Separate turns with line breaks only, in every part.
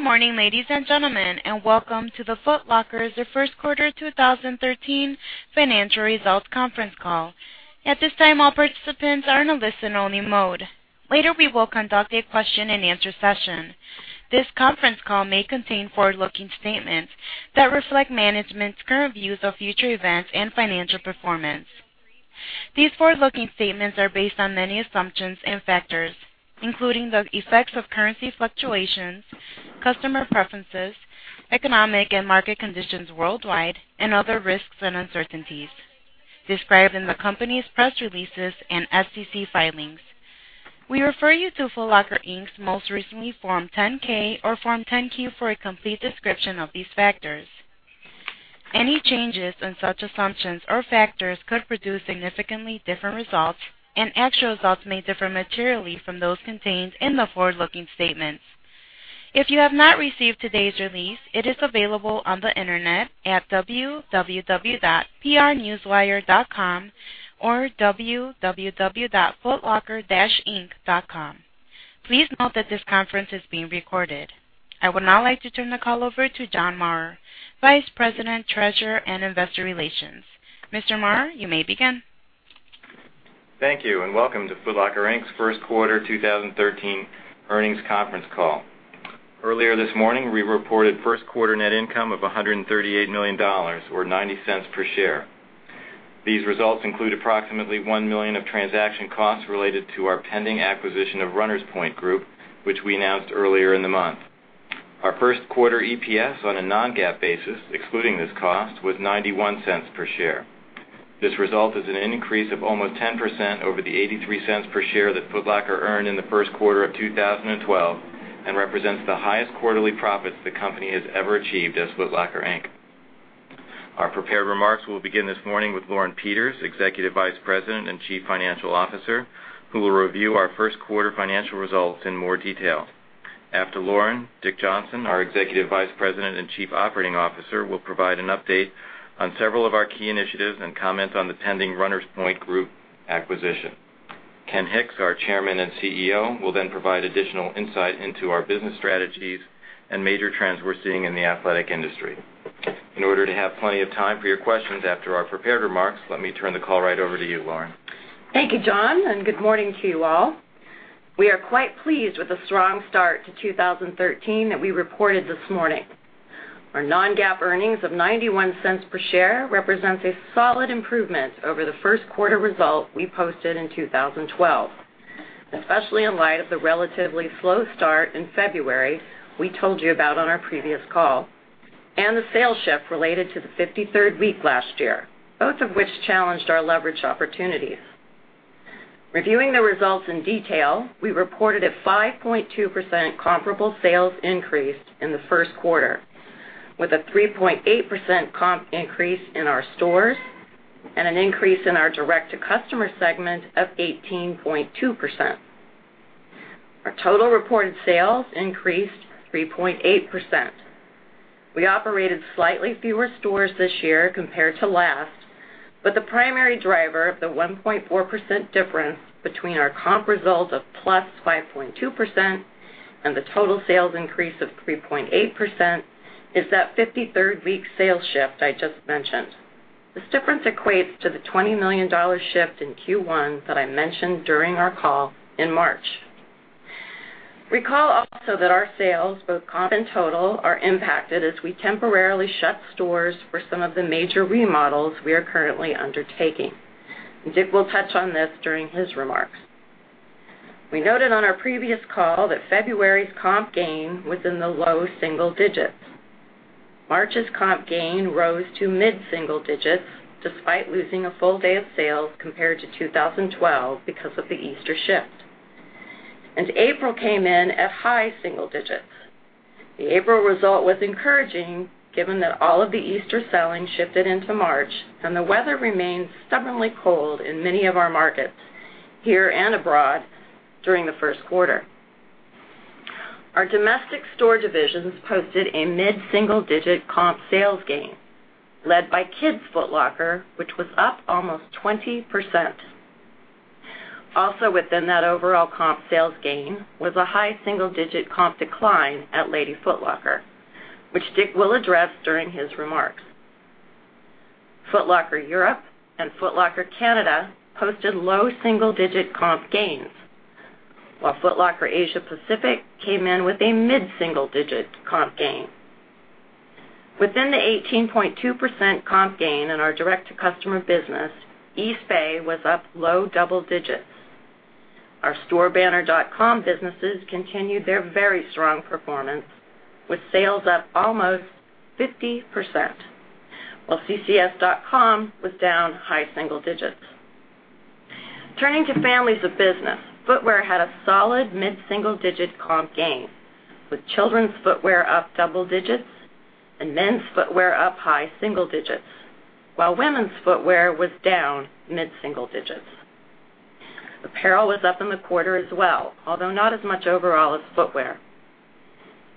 Good morning, ladies and gentlemen, and welcome to the Foot Locker's First Quarter 2013 Financial Results Conference Call. At this time, all participants are in a listen-only mode. Later, we will conduct a question-and-answer session. This conference call may contain forward-looking statements that reflect management's current views of future events and financial performance. These forward-looking statements are based on many assumptions and factors, including the effects of currency fluctuations, customer preferences, economic and market conditions worldwide, and other risks and uncertainties described in the company's press releases and SEC filings. We refer you to Foot Locker, Inc.'s most recently Form 10-K or Form 10-Q for a complete description of these factors. Any changes in such assumptions or factors could produce significantly different results, and actual results may differ materially from those contained in the forward-looking statements. If you have not received today's release, it is available on the internet at www.prnewswire.com or www.footlocker-inc.com. Please note that this conference is being recorded. I would now like to turn the call over to John Maurer, Vice President, Treasurer, and Investor Relations. Mr. Maurer, you may begin.
Thank you, and welcome to Foot Locker, Inc.'s First Quarter 2013 Earnings Conference Call. Earlier this morning, we reported first quarter net income of $138 million, or $0.90 per share. These results include approximately $1 million of transaction costs related to our pending acquisition of Runners Point Group, which we announced earlier in the month. Our first quarter EPS on a non-GAAP basis, excluding this cost, was $0.91 per share. This result is an increase of almost 10% over the $0.83 per share that Foot Locker earned in the first quarter of 2012 and represents the highest quarterly profits the company has ever achieved as Foot Locker, Inc. Our prepared remarks will begin this morning with Lauren Peters, Executive Vice President and Chief Financial Officer, who will review our first quarter financial results in more detail. After Lauren, Dick Johnson, our Executive Vice President and Chief Operating Officer, will provide an update on several of our key initiatives and comment on the pending Runners Point Group acquisition. Ken Hicks, our Chairman and CEO, will then provide additional insight into our business strategies and major trends we're seeing in the athletic industry. In order to have plenty of time for your questions after our prepared remarks, let me turn the call right over to you, Lauren.
Thank you, John, and good morning to you all. We are quite pleased with the strong start to 2013 that we reported this morning. Our non-GAAP earnings of $0.91 per share represents a solid improvement over the first quarter result we posted in 2012, especially in light of the relatively slow start in February we told you about on our previous call and the sales shift related to the 53rd week last year, both of which challenged our leverage opportunities. Reviewing the results in detail, we reported a 5.2% comparable sales increase in the first quarter, with a 3.8% comp increase in our stores and an increase in our direct-to-customer segment of 18.2%. Our total reported sales increased 3.8%. We operated slightly fewer stores this year compared to last, the primary driver of the 1.4% difference between our comp result of plus 5.2% and the total sales increase of 3.8% is that 53rd week sales shift I just mentioned. This difference equates to the $20 million shift in Q1 that I mentioned during our call in March. Recall also that our sales, both comp and total, are impacted as we temporarily shut stores for some of the major remodels we are currently undertaking, and Dick will touch on this during his remarks. We noted on our previous call that February's comp gain was in the low single digits. March's comp gain rose to mid-single digits, despite losing a full day of sales compared to 2012 because of the Easter shift. April came in at high single digits. The April result was encouraging, given that all of the Easter selling shifted into March and the weather remained stubbornly cold in many of our markets, here and abroad, during the first quarter. Our domestic store divisions posted a mid-single-digit comp sales gain, led by Kids Foot Locker, which was up almost 20%. Also within that overall comp sales gain was a high single-digit comp decline at Lady Foot Locker, which Dick will address during his remarks. Foot Locker Europe and Foot Locker Canada posted low single-digit comp gains, while Foot Locker Asia Pacific came in with a mid-single-digit comp gain. Within the 18.2% comp gain in our direct-to-customer business, Eastbay was up low double digits. Our store banner .com businesses continued their very strong performance with sales up almost 50%, while ccs.com was down high single digits. Turning to families of business, footwear had a solid mid-single-digit comp gain, with children's footwear up double digits and men's footwear up high single digits, while women's footwear was down mid-single digits. Apparel was up in the quarter as well, although not as much overall as footwear.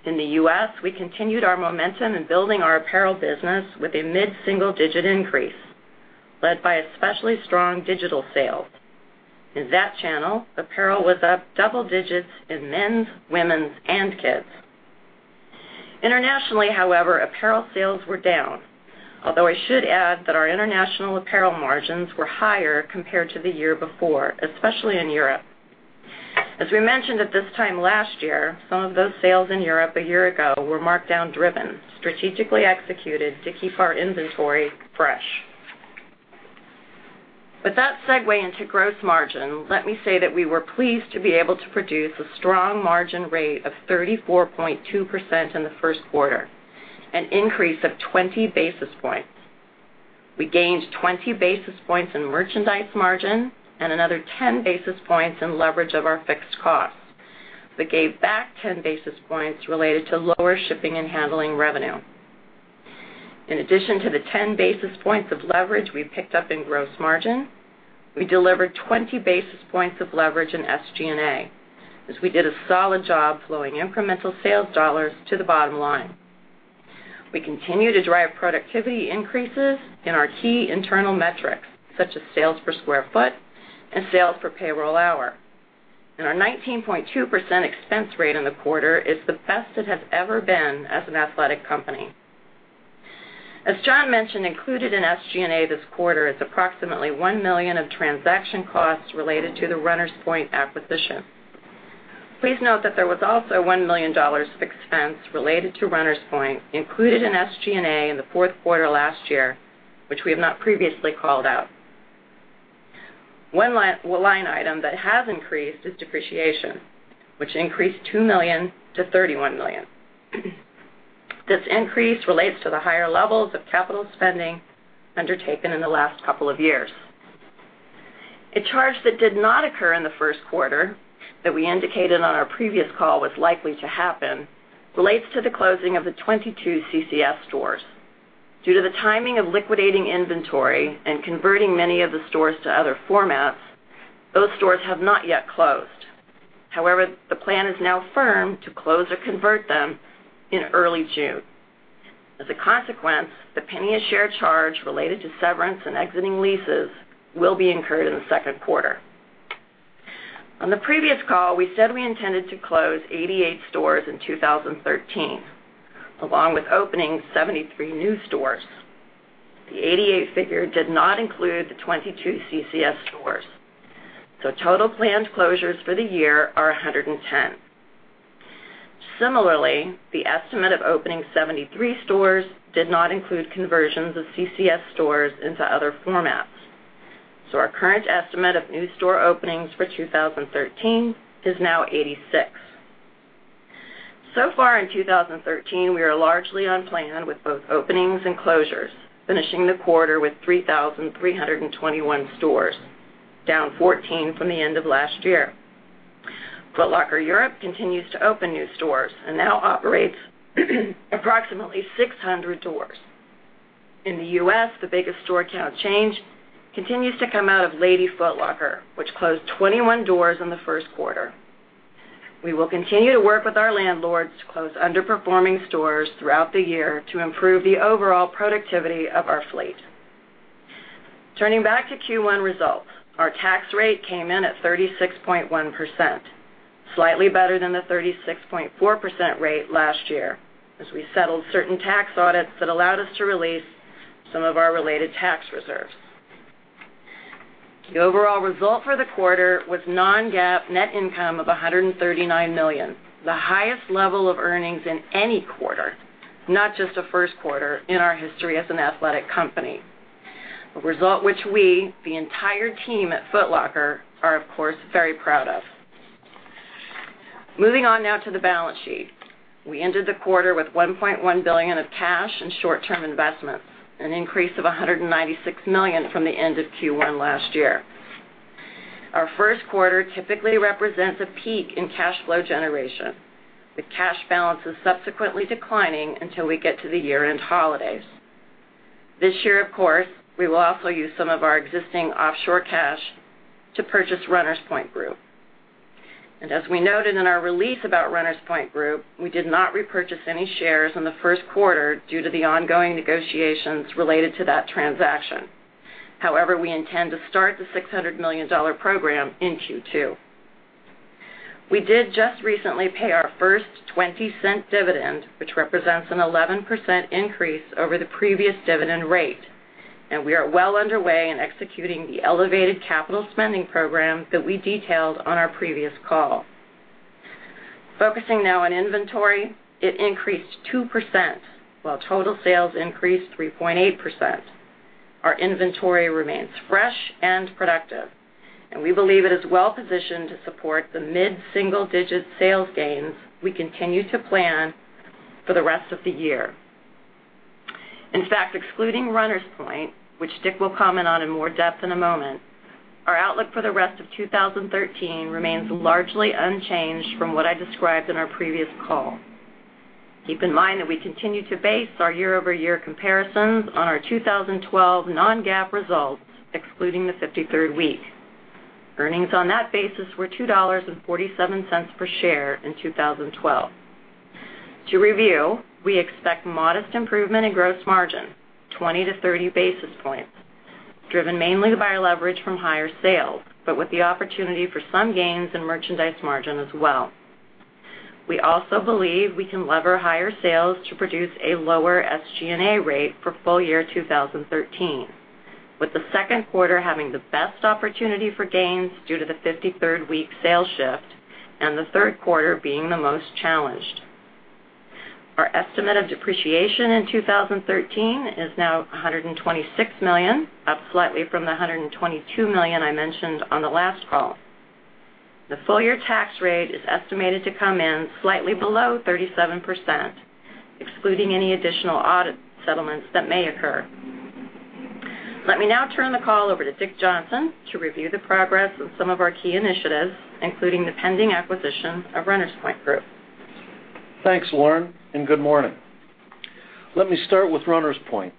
In the U.S., we continued our momentum in building our apparel business with a mid-single-digit increase. Led by especially strong digital sales. In that channel, apparel was up double digits in men's, women's, and kids. Internationally, however, apparel sales were down. Although I should add that our international apparel margins were higher compared to the year before, especially in Europe. As we mentioned at this time last year, some of those sales in Europe a year ago were markdown driven, strategically executed to keep our inventory fresh. With that segue into gross margin, let me say that we were pleased to be able to produce a strong margin rate of 34.2% in the first quarter, an increase of 20 basis points. We gained 20 basis points in merchandise margin and another 10 basis points in leverage of our fixed costs. We gave back 10 basis points related to lower shipping and handling revenue. In addition to the 10 basis points of leverage we picked up in gross margin, we delivered 20 basis points of leverage in SG&A, as we did a solid job flowing incremental sales dollars to the bottom line. We continue to drive productivity increases in our key internal metrics, such as sales per square foot and sales per payroll hour. Our 19.2% expense rate in the quarter is the best it has ever been as an athletic company. As John mentioned, included in SG&A this quarter is approximately $1 million of transaction costs related to the Runners Point acquisition. Please note that there was also $1 million of expense related to Runners Point included in SG&A in the fourth quarter last year, which we have not previously called out. One line item that has increased is depreciation, which increased $2 million to $31 million. This increase relates to the higher levels of capital spending undertaken in the last couple of years. A charge that did not occur in the first quarter, that we indicated on our previous call was likely to happen, relates to the closing of the 22 CCS stores. Due to the timing of liquidating inventory and converting many of the stores to other formats, those stores have not yet closed. The plan is now firm to close or convert them in early June. As a consequence, the penny a share charge related to severance and exiting leases will be incurred in the second quarter. On the previous call, we said we intended to close 88 stores in 2013, along with opening 73 new stores. The 88 figure did not include the 22 CCS stores. Total planned closures for the year are 110. Similarly, the estimate of opening 73 stores did not include conversions of CCS stores into other formats. Our current estimate of new store openings for 2013 is now 86. So far in 2013, we are largely on plan with both openings and closures, finishing the quarter with 3,321 stores, down 14 from the end of last year. Foot Locker Europe continues to open new stores and now operates approximately 600 stores. In the U.S., the biggest store count change continues to come out of Lady Foot Locker, which closed 21 doors in the first quarter. We will continue to work with our landlords to close underperforming stores throughout the year to improve the overall productivity of our fleet. Turning back to Q1 results, our tax rate came in at 36.1%, slightly better than the 36.4% rate last year, as we settled certain tax audits that allowed us to release some of our related tax reserves. The overall result for the quarter was non-GAAP net income of $139 million, the highest level of earnings in any quarter, not just a first quarter, in our history as an athletic company. A result which we, the entire team at Foot Locker, are of course, very proud of. Moving on now to the balance sheet. We ended the quarter with $1.1 billion of cash and short-term investments, an increase of $196 million from the end of Q1 last year. Our first quarter typically represents a peak in cash flow generation, with cash balances subsequently declining until we get to the year-end holidays. This year, of course, we will also use some of our existing offshore cash to purchase Runners Point Group. As we noted in our release about Runners Point Group, we did not repurchase any shares in the first quarter due to the ongoing negotiations related to that transaction. However, we intend to start the $600 million program in Q2. We did just recently pay our first $0.20 dividend, which represents an 11% increase over the previous dividend rate, and we are well underway in executing the elevated capital spending program that we detailed on our previous call. Focusing now on inventory, it increased 2%, while total sales increased 3.8%. Our inventory remains fresh and productive, and we believe it is well positioned to support the mid-single-digit sales gains we continue to plan for the rest of the year. In fact, excluding Runners Point, which Dick will comment on in more depth in a moment, our outlook for the rest of 2013 remains largely unchanged from what I described in our previous call. Keep in mind that we continue to base our year-over-year comparisons on our 2012 non-GAAP results, excluding the 53rd week. Earnings on that basis were $2.47 per share in 2012. To review, we expect modest improvement in gross margin, 20-30 basis points, driven mainly by our leverage from higher sales, but with the opportunity for some gains in merchandise margin as well. We also believe we can lever higher sales to produce a lower SG&A rate for full year 2013. With the second quarter having the best opportunity for gains due to the 53rd week sales shift, and the third quarter being the most challenged. Our estimate of depreciation in 2013 is now $126 million, up slightly from the $122 million I mentioned on the last call. The full year tax rate is estimated to come in slightly below 37%, excluding any additional audit settlements that may occur. Let me now turn the call over to Dick Johnson to review the progress of some of our key initiatives, including the pending acquisition of Runners Point Group.
Thanks, Lauren. Good morning. Let me start with Runners Point.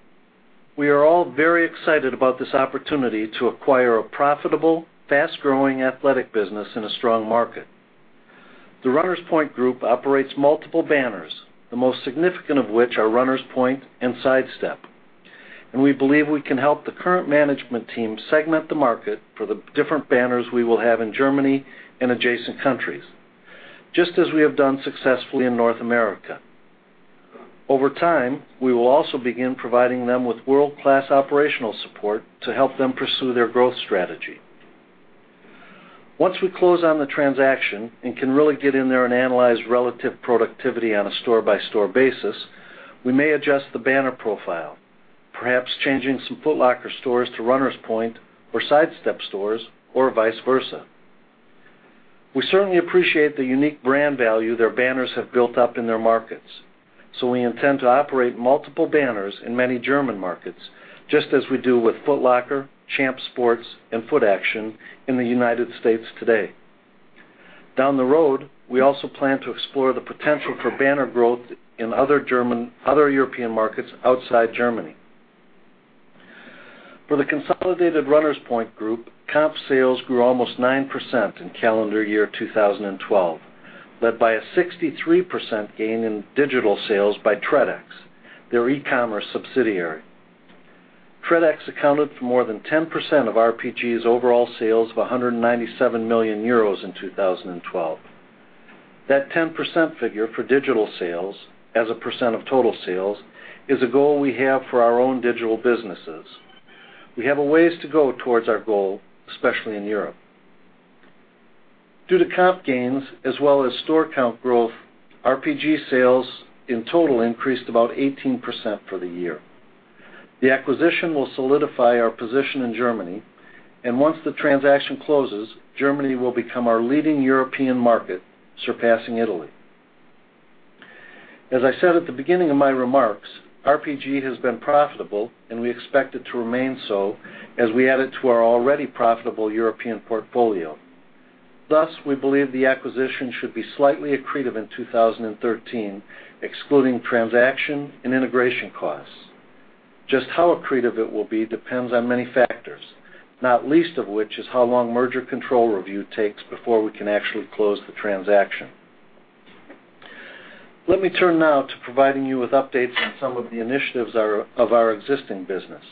We are all very excited about this opportunity to acquire a profitable, fast-growing athletic business in a strong market. The Runners Point Group operates multiple banners, the most significant of which are Runners Point and Sidestep. We believe we can help the current management team segment the market for the different banners we will have in Germany and adjacent countries, just as we have done successfully in North America. Over time, we will also begin providing them with world-class operational support to help them pursue their growth strategy. Once we close on the transaction and can really get in there and analyze relative productivity on a store-by-store basis, we may adjust the banner profile, perhaps changing some Foot Locker stores to Runners Point or Sidestep stores, or vice versa. We certainly appreciate the unique brand value their banners have built up in their markets. We intend to operate multiple banners in many German markets, just as we do with Foot Locker, Champs Sports, and Footaction in the U.S. today. Down the road, we also plan to explore the potential for banner growth in other European markets outside Germany. For the consolidated Runners Point Group, comp sales grew almost 9% in calendar year 2012, led by a 63% gain in digital sales by Tredex, their e-commerce subsidiary. Tredex accounted for more than 10% of RPG's overall sales of 197 million euros in 2012. That 10% figure for digital sales as a percent of total sales is a goal we have for our own digital businesses. We have a ways to go towards our goal, especially in Europe. Due to comp gains as well as store count growth, RPG sales in total increased about 18% for the year. The acquisition will solidify our position in Germany, and once the transaction closes, Germany will become our leading European market, surpassing Italy. As I said at the beginning of my remarks, RPG has been profitable, and we expect it to remain so as we add it to our already profitable European portfolio. Thus, we believe the acquisition should be slightly accretive in 2013, excluding transaction and integration costs. Just how accretive it will be depends on many factors, not least of which is how long merger control review takes before we can actually close the transaction. Let me turn now to providing you with updates on some of the initiatives of our existing business.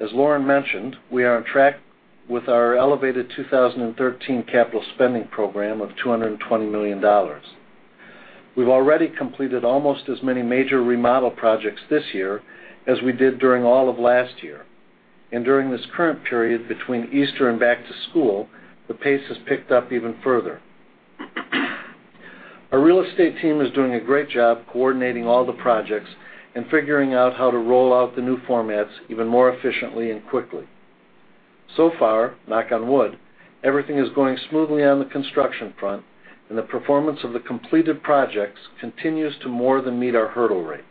As Lauren mentioned, we are on track with our elevated 2013 capital spending program of $220 million. We've already completed almost as many major remodel projects this year as we did during all of last year. During this current period between Easter and back to school, the pace has picked up even further. Our real estate team is doing a great job coordinating all the projects and figuring out how to roll out the new formats even more efficiently and quickly. So far, knock on wood, everything is going smoothly on the construction front, and the performance of the completed projects continues to more than meet our hurdle rates.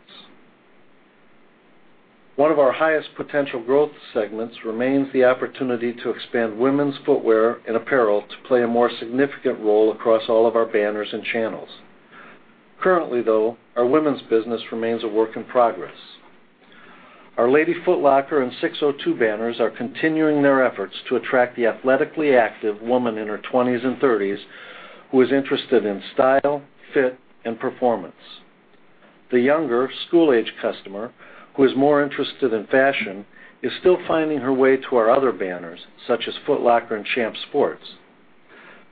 One of our highest potential growth segments remains the opportunity to expand women's footwear and apparel to play a more significant role across all of our banners and channels. Currently, though, our women's business remains a work in progress. Our Lady Foot Locker and SIX:02 banners are continuing their efforts to attract the athletically active woman in her 20s and 30s, who is interested in style, fit, and performance. The younger, school-age customer who is more interested in fashion is still finding her way to our other banners, such as Foot Locker and Champs Sports.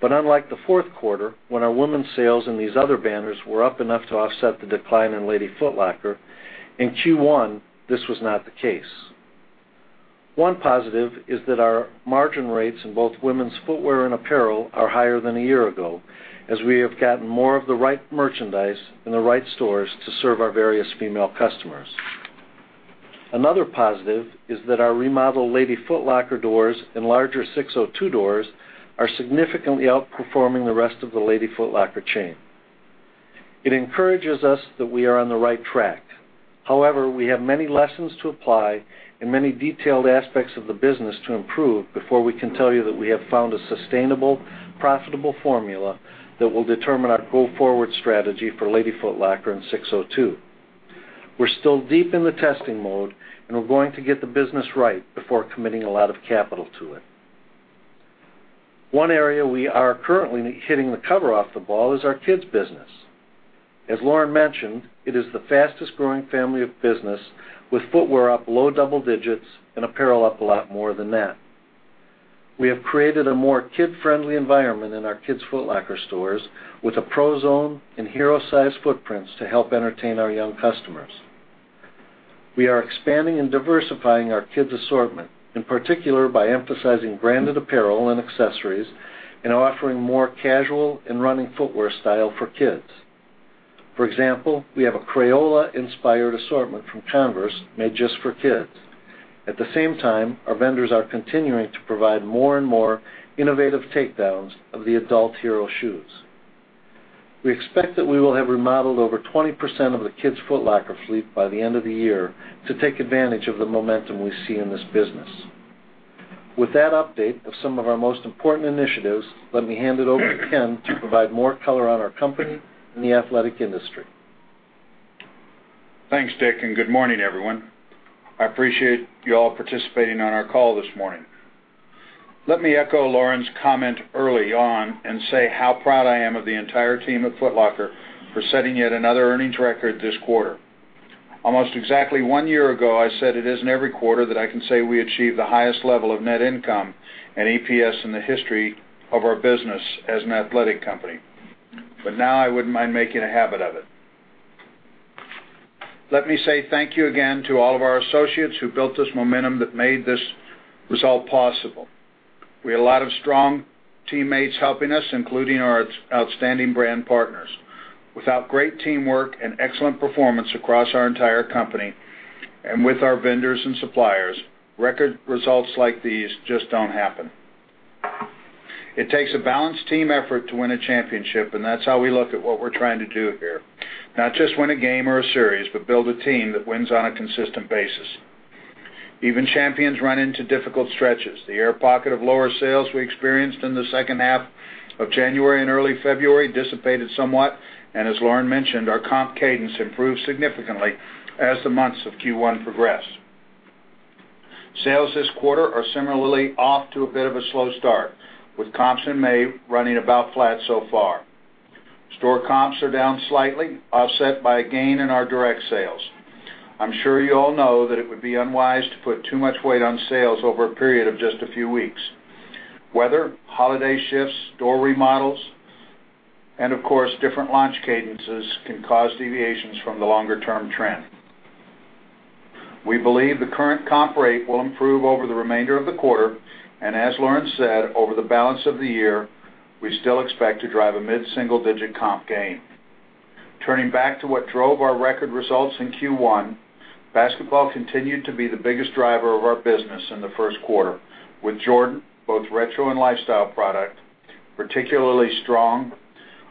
Unlike the fourth quarter, when our women's sales in these other banners were up enough to offset the decline in Lady Foot Locker, in Q1, this was not the case. One positive is that our margin rates in both women's footwear and apparel are higher than a year ago, as we have gotten more of the right merchandise in the right stores to serve our various female customers. Another positive is that our remodeled Lady Foot Locker doors and larger SIX:02 doors are significantly outperforming the rest of the Lady Foot Locker chain. It encourages us that we are on the right track. However, we have many lessons to apply and many detailed aspects of the business to improve before we can tell you that we have found a sustainable, profitable formula that will determine our go-forward strategy for Lady Foot Locker and SIX:02. We're still deep in the testing mode, and we're going to get the business right before committing a lot of capital to it. One area we are currently hitting the cover off the ball is our kids' business. As Lauren mentioned, it is the fastest-growing family of business, with footwear up low double digits and apparel up a lot more than that. We have created a more kid-friendly environment in our Kids' Foot Locker stores with a Pro Zone and hero-sized footprints to help entertain our young customers. We are expanding and diversifying our kids' assortment, in particular, by emphasizing branded apparel and accessories and offering more casual and running footwear style for kids. For example, we have a Crayola-inspired assortment from Converse made just for kids. At the same time, our vendors are continuing to provide more and more innovative takedowns of the adult hero shoes. We expect that we will have remodeled over 20% of the Kids' Foot Locker fleet by the end of the year to take advantage of the momentum we see in this business. With that update of some of our most important initiatives, let me hand it over to Ken to provide more color on our company and the athletic industry.
Thanks, Dick, and good morning, everyone. I appreciate you all participating on our call this morning. Let me echo Lauren's comment early on and say how proud I am of the entire team at Foot Locker for setting yet another earnings record this quarter. Almost exactly one year ago, I said it isn't every quarter that I can say we achieve the highest level of net income and EPS in the history of our business as an athletic company. Now I wouldn't mind making a habit of it. Let me say thank you again to all of our associates who built this momentum that made this result possible. We had a lot of strong teammates helping us, including our outstanding brand partners. Without great teamwork and excellent performance across our entire company and with our vendors and suppliers, record results like these just don't happen. It takes a balanced team effort to win a championship, and that's how we look at what we're trying to do here. Not just win a game or a series, but build a team that wins on a consistent basis. Even champions run into difficult stretches. The air pocket of lower sales we experienced in the second half of January and early February dissipated somewhat, and as Lauren mentioned, our comp cadence improved significantly as the months of Q1 progressed. Sales this quarter are similarly off to a bit of a slow start with comps in May running about flat so far. Store comps are down slightly, offset by a gain in our direct sales. I'm sure you all know that it would be unwise to put too much weight on sales over a period of just a few weeks. Weather, holiday shifts, store remodels, of course, different launch cadences can cause deviations from the longer-term trend. We believe the current comp rate will improve over the remainder of the quarter, as Lauren said, over the balance of the year, we still expect to drive a mid-single-digit comp gain. Turning back to what drove our record results in Q1, basketball continued to be the biggest driver of our business in the first quarter with Jordan, both retro and lifestyle product, particularly strong.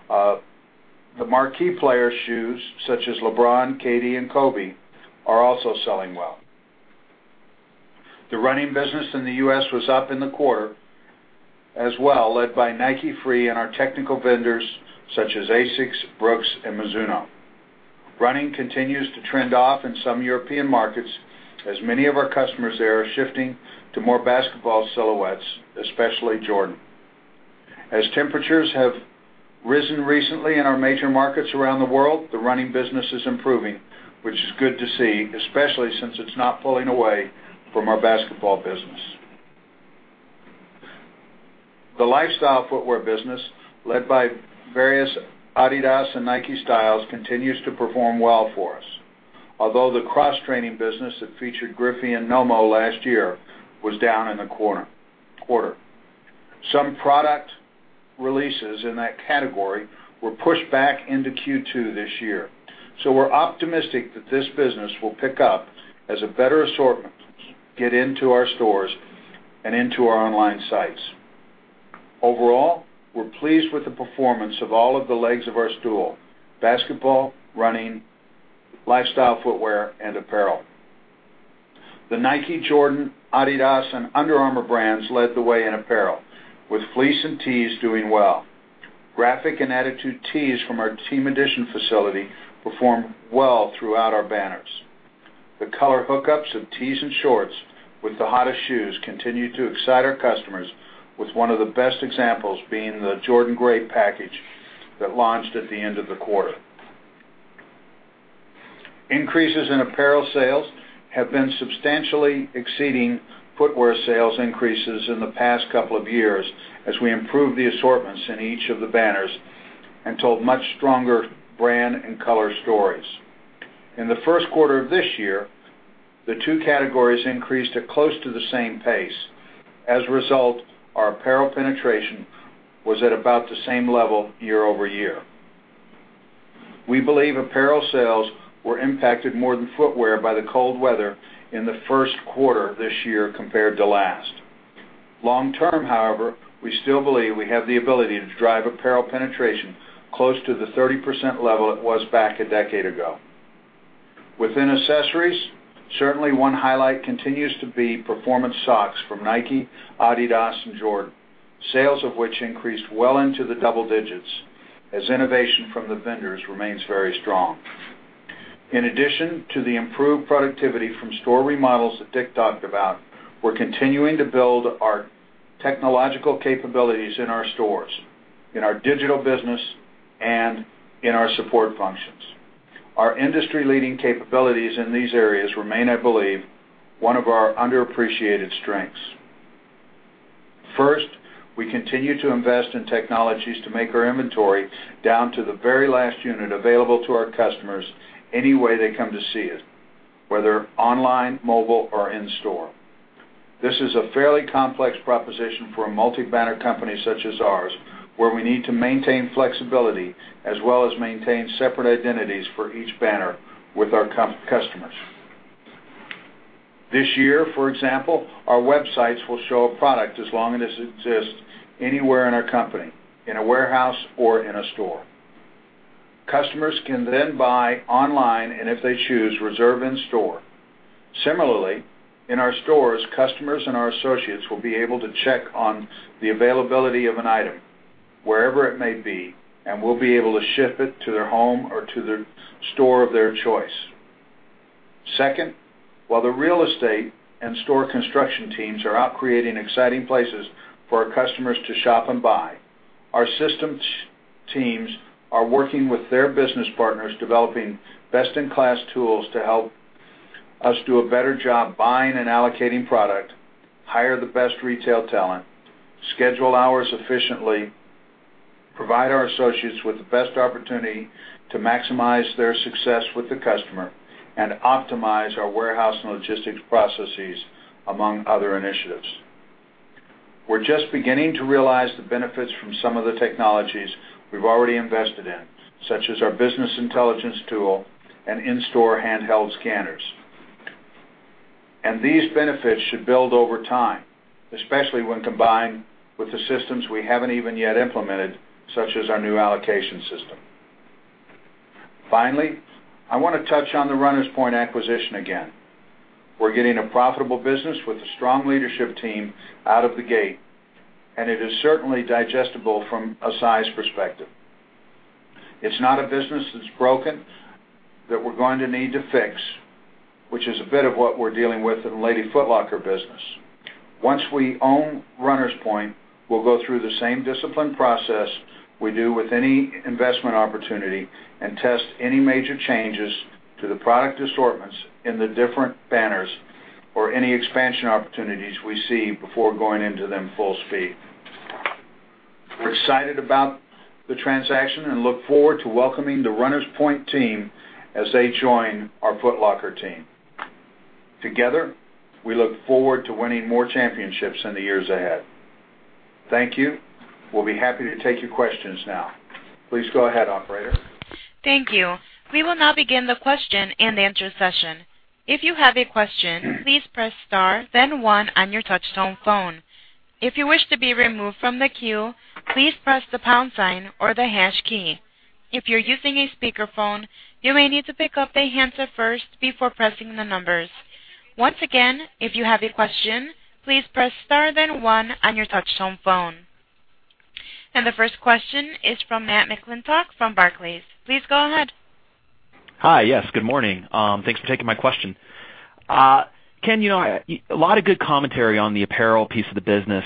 The marquee player shoes such as LeBron, KD, and Kobe are also selling well. The running business in the U.S. was up in the quarter as well, led by Nike Free and our technical vendors such as ASICS, Brooks, and Mizuno. Running continues to trend off in some European markets, as many of our customers there are shifting to more basketball silhouettes, especially Jordan. Temperatures have risen recently in our major markets around the world, the running business is improving, which is good to see, especially since it's not pulling away from our basketball business. The lifestyle footwear business, led by various Adidas and Nike styles, continues to perform well for us. Although the cross-training business that featured Griffey and Nomo last year was down in the quarter. Some product releases in that category were pushed back into Q2 this year. We're optimistic that this business will pick up as a better assortment get into our stores and into our online sites. Overall, we're pleased with the performance of all of the legs of our stool: basketball, running, lifestyle footwear, and apparel. The Nike, Jordan, Adidas, and Under Armour brands led the way in apparel, with fleece and tees doing well. Graphic and attitude tees from our Team Edition facility performed well throughout our banners. The color hookups of tees and shorts with the hottest shoes continued to excite our customers with one of the best examples being the Jordan Grape package that launched at the end of the quarter. Increases in apparel sales have been substantially exceeding footwear sales increases in the past couple of years as we improve the assortments in each of the banners and told much stronger brand and color stories. In the first quarter of this year, the two categories increased at close to the same pace. As a result, our apparel penetration was at about the same level year-over-year. We believe apparel sales were impacted more than footwear by the cold weather in the first quarter this year compared to last. Long-term, however, we still believe we have the ability to drive apparel penetration close to the 30% level it was back a decade ago. Within accessories, certainly one highlight continues to be performance socks from Nike, Adidas, and Jordan. Sales of which increased well into the double digits as innovation from the vendors remains very strong. In addition to the improved productivity from store remodels that Dick talked about, we're continuing to build our technological capabilities in our stores, in our digital business, and in our support functions. Our industry-leading capabilities in these areas remain, I believe, one of our underappreciated strengths. First, we continue to invest in technologies to make our inventory down to the very last unit available to our customers any way they come to see it, whether online, mobile, or in-store. This is a fairly complex proposition for a multi-banner company such as ours, where we need to maintain flexibility as well as maintain separate identities for each banner with our customers. This year, for example, our websites will show a product as long as it exists anywhere in our company, in a warehouse or in a store. Customers can then buy online and, if they choose, reserve in-store. Similarly, in our stores, customers and our associates will be able to check on the availability of an item wherever it may be, and we'll be able to ship it to their home or to the store of their choice. Second, while the real estate and store construction teams are out creating exciting places for our customers to shop and buy, our systems teams are working with their business partners, developing best-in-class tools to help us do a better job buying and allocating product, hire the best retail talent, schedule hours efficiently, provide our associates with the best opportunity to maximize their success with the customer, and optimize our warehouse and logistics processes, among other initiatives. We're just beginning to realize the benefits from some of the technologies we've already invested in, such as our business intelligence tool and in-store handheld scanners. These benefits should build over time, especially when combined with the systems we haven't even yet implemented, such as our new allocation system. Finally, I want to touch on the Runners Point acquisition again. We're getting a profitable business with a strong leadership team out of the gate, and it is certainly digestible from a size perspective. It's not a business that's broken that we're going to need to fix, which is a bit of what we're dealing with in the Lady Foot Locker business. Once we own Runners Point, we'll go through the same disciplined process we do with any investment opportunity and test any major changes to the product assortments in the different banners or any expansion opportunities we see before going into them full speed. We're excited about the transaction and look forward to welcoming the Runners Point team as they join our Foot Locker team. Together, we look forward to winning more championships in the years ahead. Thank you. We'll be happy to take your questions now. Please go ahead, operator.
Thank you. We will now begin the question and answer session. If you have a question, please press star then one on your touchtone phone. If you wish to be removed from the queue, please press the pound sign or the hash key. If you're using a speakerphone, you may need to pick up a handset first before pressing the numbers. Once again, if you have a question, please press star then one on your touchtone phone. The first question is from Matthew McWilliams from Barclays. Please go ahead.
Hi. Yes, good morning. Thanks for taking my question. Ken, a lot of good commentary on the apparel piece of the business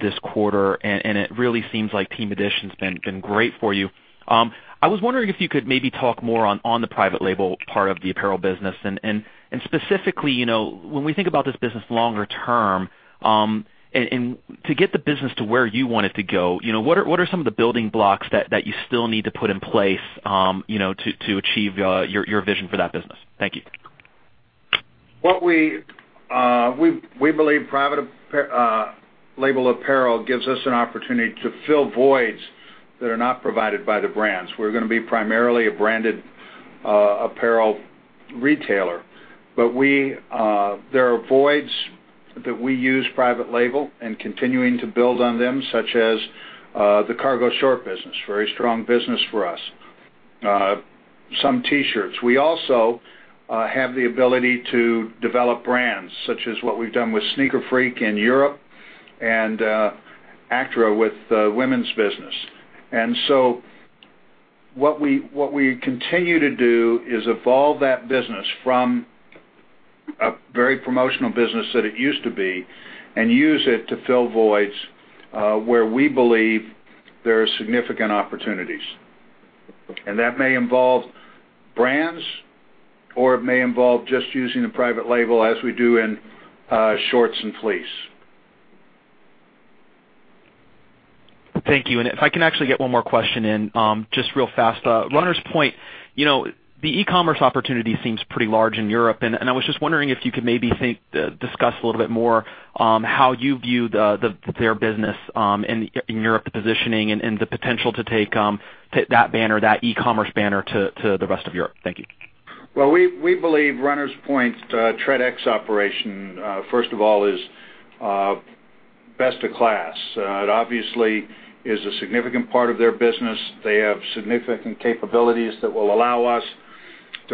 this quarter, and it really seems like Team Edition's been great for you. I was wondering if you could maybe talk more on the private label part of the apparel business and, specifically, when we think about this business longer term and to get the business to where you want it to go, what are some of the building blocks that you still need to put in place to achieve your vision for that business? Thank you.
We believe private label apparel gives us an opportunity to fill voids that are not provided by the brands. We're going to be primarily a branded apparel retailer. There are voids that we use private label and continuing to build on them, such as the cargo short business, very strong business for us. Some T-shirts. We also have the ability to develop brands such as what we've done with Sneaker Freak in Europe and Altra with the women's business. What we continue to do is evolve that business from a very promotional business that it used to be and use it to fill voids where we believe there are significant opportunities. That may involve brands or it may involve just using the private label as we do in shorts and fleece.
Thank you. If I can actually get one more question in, just real fast. Runners Point, the e-commerce opportunity seems pretty large in Europe, and I was just wondering if you could maybe discuss a little bit more how you view their business in Europe, the positioning, and the potential to take that banner, that e-commerce banner to the rest of Europe. Thank you.
Well, we believe Runners Point's Tredex operation, first of all, is best in class. It obviously is a significant part of their business. They have significant capabilities that will allow us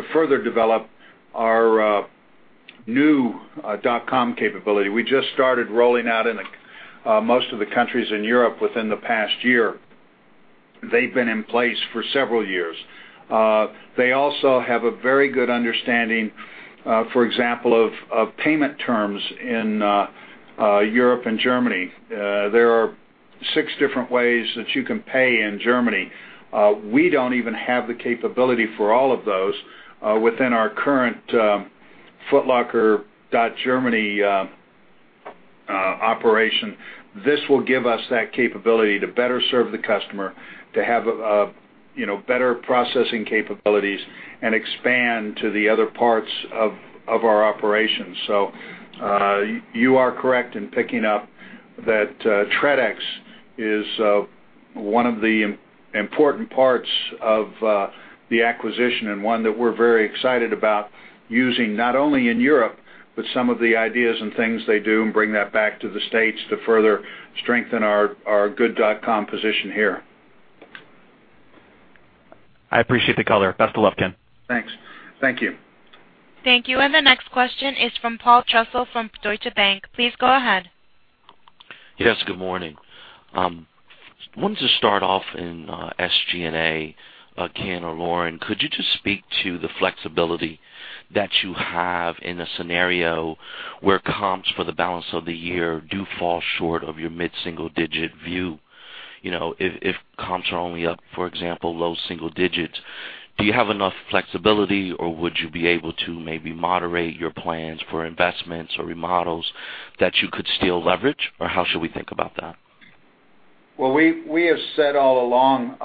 to further develop our new .com capability. We just started rolling out in most of the countries in Europe within the past year. They've been in place for several years. They also have a very good understanding, for example, of payment terms in Europe and Germany. There are six different ways that you can pay in Germany. We don't even have the capability for all of those within our current footlocker.de operation. This will give us that capability to better serve the customer, to have better processing capabilities and expand to the other parts of our operations. You are correct in picking up that Tredex is one of the important parts of the acquisition and one that we're very excited about using not only in Europe, but some of the ideas and things they do and bring that back to the States to further strengthen our good .com position here.
I appreciate the color. Best of luck, Ken.
Thanks. Thank you.
Thank you. The next question is from Paul Trussell from Deutsche Bank. Please go ahead.
Yes, good morning. Wanted to start off in SG&A, Ken or Lauren, could you just speak to the flexibility that you have in a scenario where comps for the balance of the year do fall short of your mid-single-digit view? If comps are only up, for example, low single digits, do you have enough flexibility, or would you be able to maybe moderate your plans for investments or remodels that you could still leverage, or how should we think about that?
Well, we have said all along,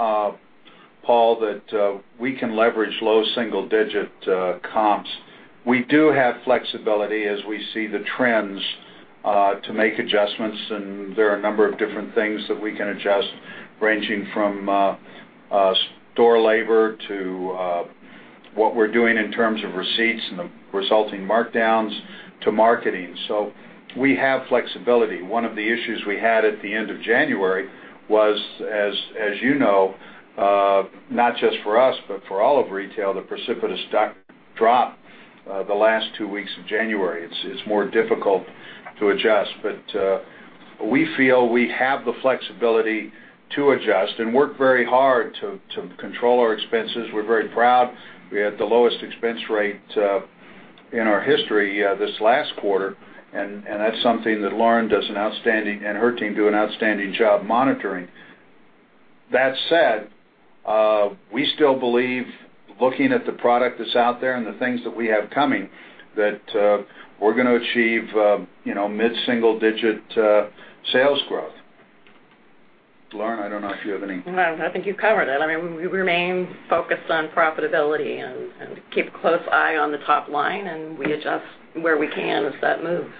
Paul, that we can leverage low single-digit comps. We do have flexibility as we see the trends to make adjustments, there are a number of different things that we can adjust, ranging from store labor to what we're doing in terms of receipts and the resulting markdowns to marketing. We have flexibility. One of the issues we had at the end of January was, as you know, not just for us but for all of retail, the precipitous drop the last two weeks of January. It's more difficult to adjust. We feel we have the flexibility to adjust and work very hard to control our expenses. We're very proud we had the lowest expense rate in our history this last quarter, and that's something that Lauren and her team do an outstanding job monitoring. That said, we still believe looking at the product that's out there and the things that we have coming, that we're going to achieve mid-single-digit sales growth. Lauren, I don't know if you have anything.
No, I think you've covered it. We remain focused on profitability and keep a close eye on the top line, we adjust where we can as that moves.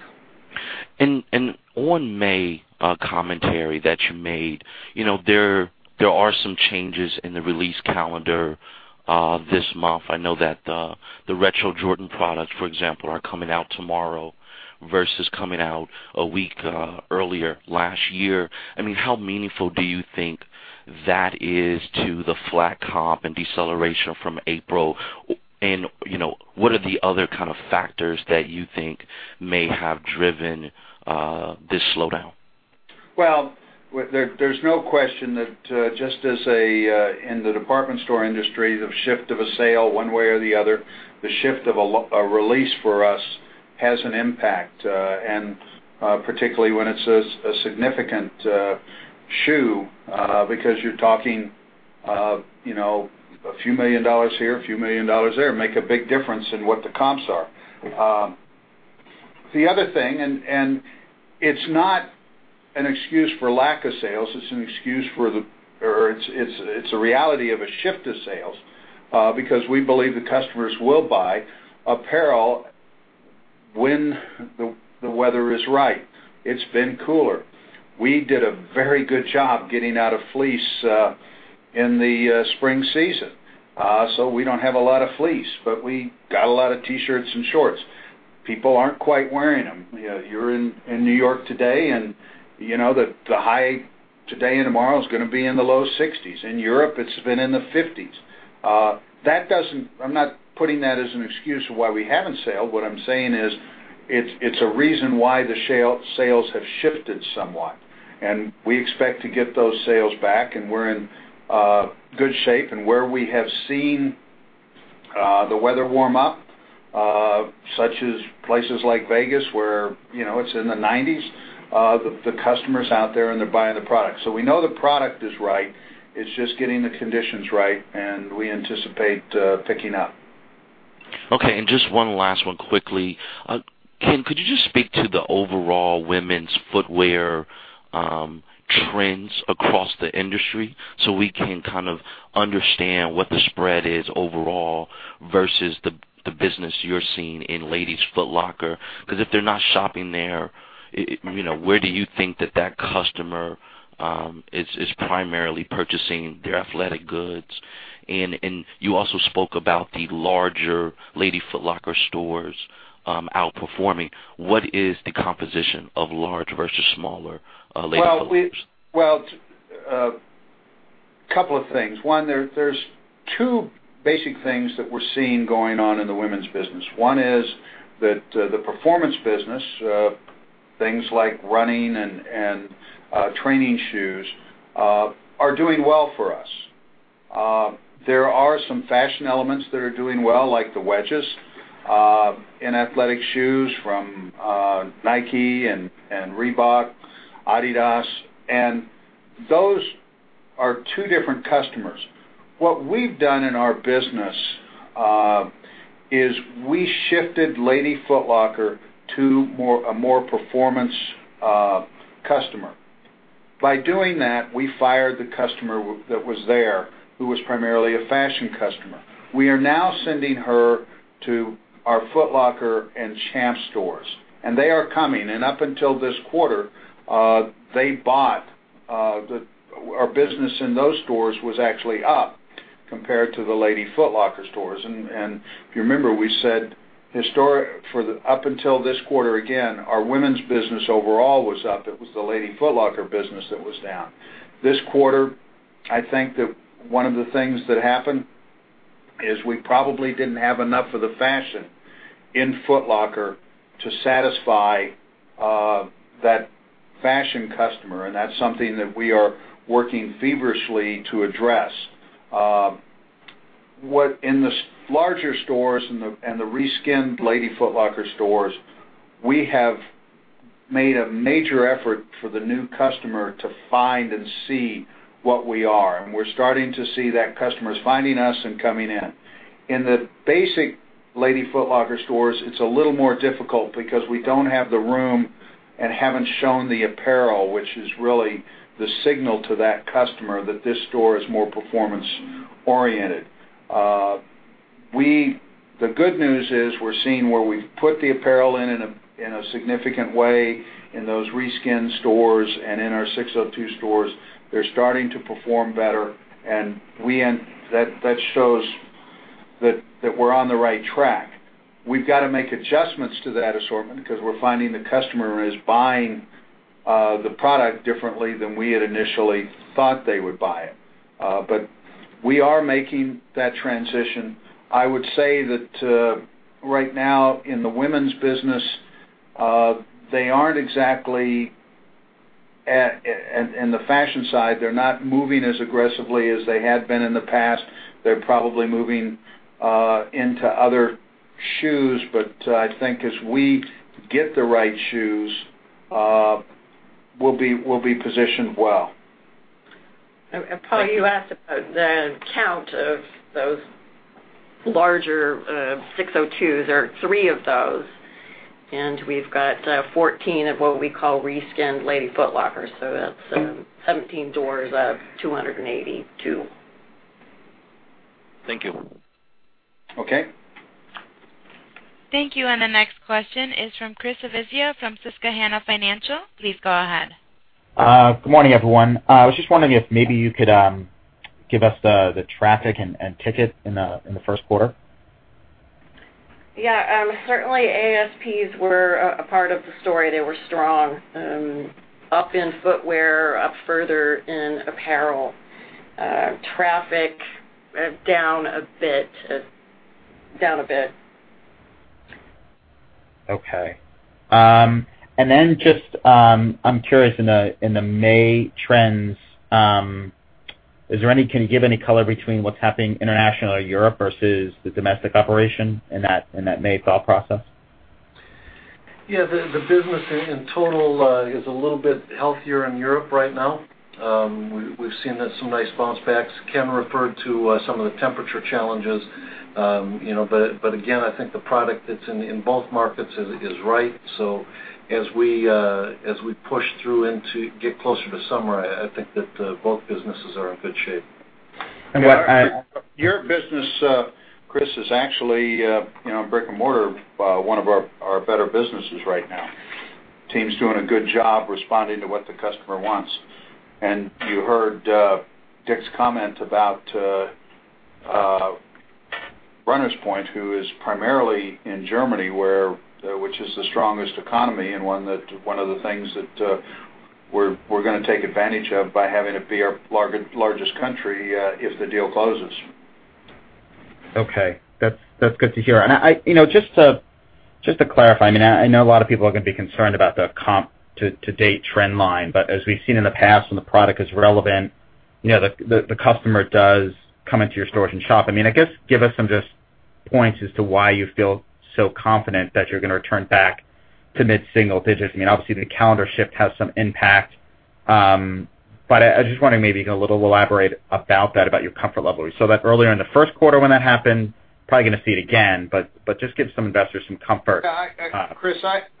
On May commentary that you made, there are some changes in the release calendar this month. I know that the Retro Jordan products, for example, are coming out tomorrow versus coming out a week earlier last year. How meaningful do you think that is to the flat comp and deceleration from April? What are the other kind of factors that you think may have driven this slowdown?
Well, there's no question that just as in the department store industry, the shift of a sale one way or the other, the shift of a release for us has an impact. Particularly when it's a significant shoe because you're talking a few million dollars here, a few million dollars there make a big difference in what the comps are. The other thing, it's not an excuse for lack of sales, it's a reality of a shift of sales because we believe the customers will buy apparel when the weather is right. It's been cooler. We did a very good job getting out of fleece in the spring season. We don't have a lot of fleece, but we got a lot of T-shirts and shorts. People aren't quite wearing them. You're in New York today, the high today and tomorrow is going to be in the low 60s. In Europe, it's been in the 50s. I'm not putting that as an excuse for why we haven't sold. What I'm saying is it's a reason why the sales have shifted somewhat, we expect to get those sales back, and we're in good shape. Where we have seen the weather warm up, such as places like Vegas where it's in the 90s, the customer's out there and they're buying the product. We know the product is right. It's just getting the conditions right, and we anticipate picking up.
Okay, just one last one quickly. Ken, could you just speak to the overall women's footwear trends across the industry so we can kind of understand what the spread is overall versus the business you're seeing in Lady Foot Locker? If they're not shopping there, where do you think that customer is primarily purchasing their athletic goods? You also spoke about the larger Lady Foot Locker stores outperforming. What is the composition of large versus smaller Lady Foot Lockers?
Couple of things. One, there's two basic things that we're seeing going on in the women's business. One is that the performance business, things like running and training shoes, are doing well for us. There are some fashion elements that are doing well, like the wedges and athletic shoes from Nike and Reebok, Adidas, and those are two different customers. What we've done in our business is we shifted Lady Foot Locker to a more performance customer. By doing that, we fired the customer that was there, who was primarily a fashion customer. We are now sending her to our Foot Locker and Champs stores, and they are coming. Up until this quarter, our business in those stores was actually up compared to the Lady Foot Locker stores. If you remember, we said up until this quarter, again, our women's business overall was up. It was the Lady Foot Locker business that was down. This quarter, I think that one of the things that happened is we probably didn't have enough of the fashion in Foot Locker to satisfy that fashion customer, and that's something that we are working feverishly to address. In the larger stores and the reskinned Lady Foot Locker stores, we have made a major effort for the new customer to find and see what we are, and we're starting to see that customer is finding us and coming in. In the basic Lady Foot Locker stores, it's a little more difficult because we don't have the room and haven't shown the apparel, which is really the signal to that customer that this store is more performance-oriented. The good news is we're seeing where we've put the apparel in a significant way in those reskinned stores and in our SIX:02 stores. They're starting to perform better and that shows that we're on the right track. We've got to make adjustments to that assortment because we're finding the customer is buying the product differently than we had initially thought they would buy it. We are making that transition. I would say that right now in the women's business, in the fashion side, they're not moving as aggressively as they had been in the past. They're probably moving into other shoes. I think as we get the right shoes, we'll be positioned well.
Paul, you asked about the count of those larger SIX:02s. There are three of those, and we've got 14 of what we call reskinned Lady Foot Lockers. That's 17 doors of 282.
Thank you.
Okay.
Thank you. The next question is from Chris Svezia from Susquehanna Financial. Please go ahead.
Good morning, everyone. I was just wondering if maybe you could give us the traffic and ticket in the first quarter.
Yeah. Certainly, ASPs were a part of the story. They were strong, up in footwear, up further in apparel. Traffic down a bit.
I'm curious, in the May trends, can you give any color between what's happening internationally or Europe versus the domestic operation in that May thought process?
Yeah, the business in total is a little bit healthier in Europe right now. We've seen some nice bounce backs. Ken referred to some of the temperature challenges. Again, I think the product that's in both markets is right. As we push through into get closer to summer, I think that both businesses are in good shape.
Your business, Chris, is actually, brick-and-mortar, one of our better businesses right now. Team's doing a good job responding to what the customer wants. You heard Dick's comment about Runners Point, who is primarily in Germany, which is the strongest economy and one of the things that we're going to take advantage of by having it be our largest country if the deal closes.
Okay. That's good to hear. Just to clarify, I know a lot of people are going to be concerned about the comp to date trend line, as we've seen in the past, when the product is relevant, the customer does come into your stores and shop. I guess, give us some just points as to why you feel so confident that you're going to return back to mid-single digits. Obviously, the calendar shift has some impact. I just wondering maybe a little elaborate about that, about your comfort level. We saw that earlier in the first quarter when that happened. Probably going to see it again, just give some investors some comfort.
Chris,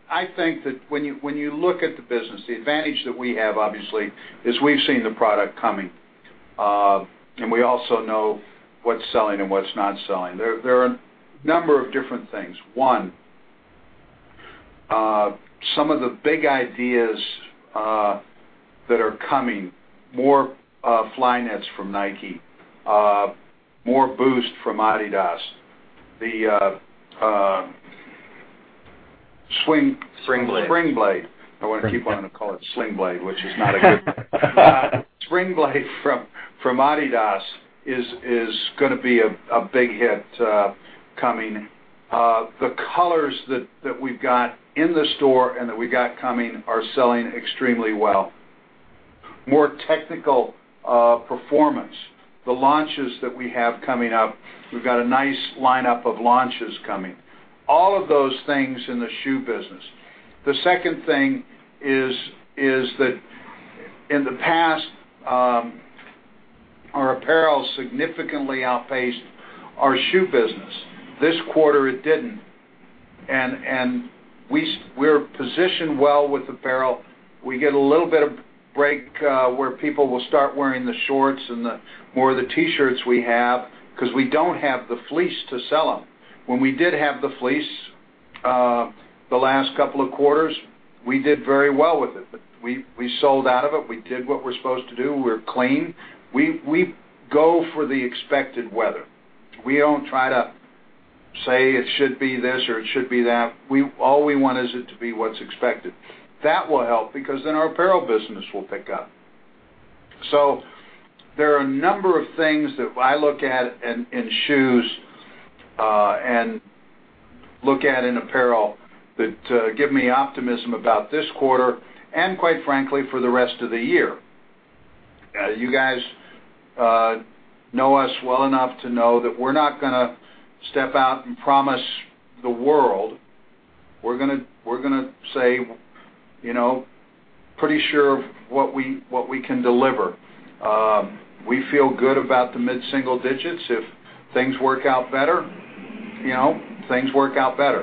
I think that when you look at the business, the advantage that we have, obviously, is we've seen the product coming. We also know what's selling and what's not selling. There are a number of different things. One, some of the big ideas that are coming, more Flyknit from Nike, more Boost from Adidas.
Springblade.
Springblade. I want to keep wanting to call it Springblade, which is not a good thing. Springblade from Adidas is going to be a big hit coming. The colors that we've got in the store and that we got coming are selling extremely well. More technical performance. The launches that we have coming up, we've got a nice lineup of launches coming. All of those things in the shoe business. The second thing is that in the past, our apparel significantly outpaced our shoe business. This quarter, it didn't, and we're positioned well with apparel. We get a little bit of break where people will start wearing the shorts and more of the T-shirts we have because we don't have the fleece to sell them. When we did have the fleece the last couple of quarters, we did very well with it. We sold out of it. We did what we're supposed to do. We're clean. We go for the expected weather. We don't try to say it should be this or it should be that. All we want is it to be what's expected. That will help because then our apparel business will pick up. There are a number of things that I look at in shoes and look at in apparel that give me optimism about this quarter and quite frankly, for the rest of the year. You guys know us well enough to know that we're not going to step out and promise the world. We're going to say, pretty sure of what we can deliver. We feel good about the mid-single digits. If things work out better, things work out better.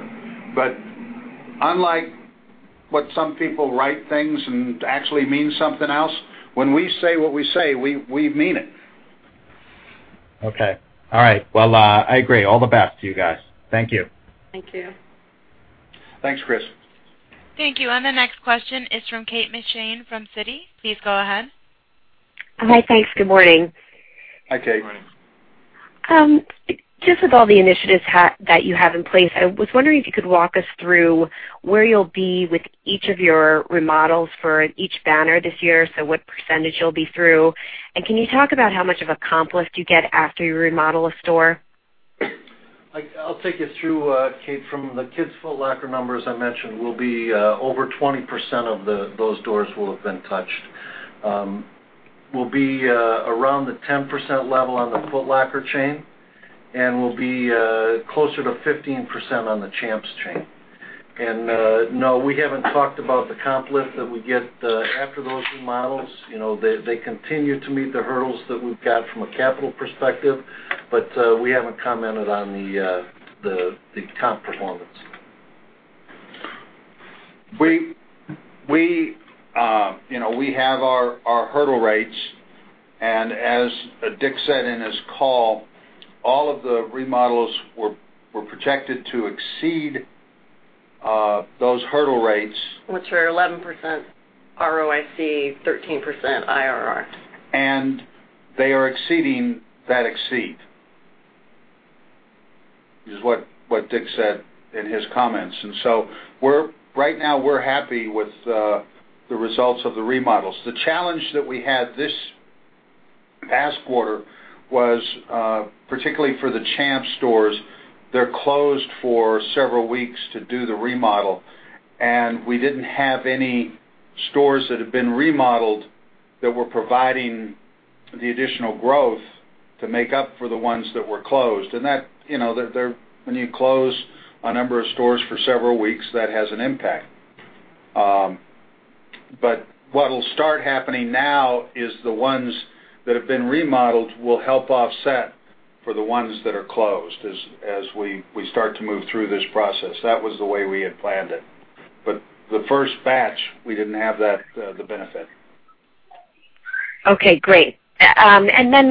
Unlike what some people write things and actually mean something else, when we say what we say, we mean it.
Okay. All right. Well, I agree. All the best to you guys. Thank you.
Thank you.
Thanks, Chris.
Thank you. The next question is from Kate McShane from Citi. Please go ahead.
Hi, thanks. Good morning.
Hi, Kate.
Good morning.
Just with all the initiatives that you have in place, I was wondering if you could walk us through where you'll be with each of your remodels for each banner this year, so what % you'll be through. Can you talk about how much of a comp lift you get after you remodel a store?
I'll take you through, Kate. From the Kids Foot Locker numbers I mentioned, will be over 20% of those stores will have been touched. We'll be around the 10% level on the Foot Locker chain, and we'll be closer to 15% on the Champs chain. No, we haven't talked about the comp lift that we get after those remodels. They continue to meet the hurdles that we've got from a capital perspective, but we haven't commented on the comp performance.
We have our hurdle rates, and as Dick said in his call, all of the remodels were projected to exceed those hurdle rates.
Which are 11% ROIC, 13% IRR.
They are exceeding that exceed, is what Dick said in his comments. Right now, we're happy with the results of the remodels. The challenge that we had this past quarter was, particularly for the Champs stores, they're closed for several weeks to do the remodel, and we didn't have any stores that have been remodeled that were providing the additional growth to make up for the ones that were closed. When you close a number of stores for several weeks, that has an impact. What'll start happening now is the ones that have been remodeled will help offset for the ones that are closed as we start to move through this process. That was the way we had planned it. The first batch, we didn't have the benefit.
Okay, great. My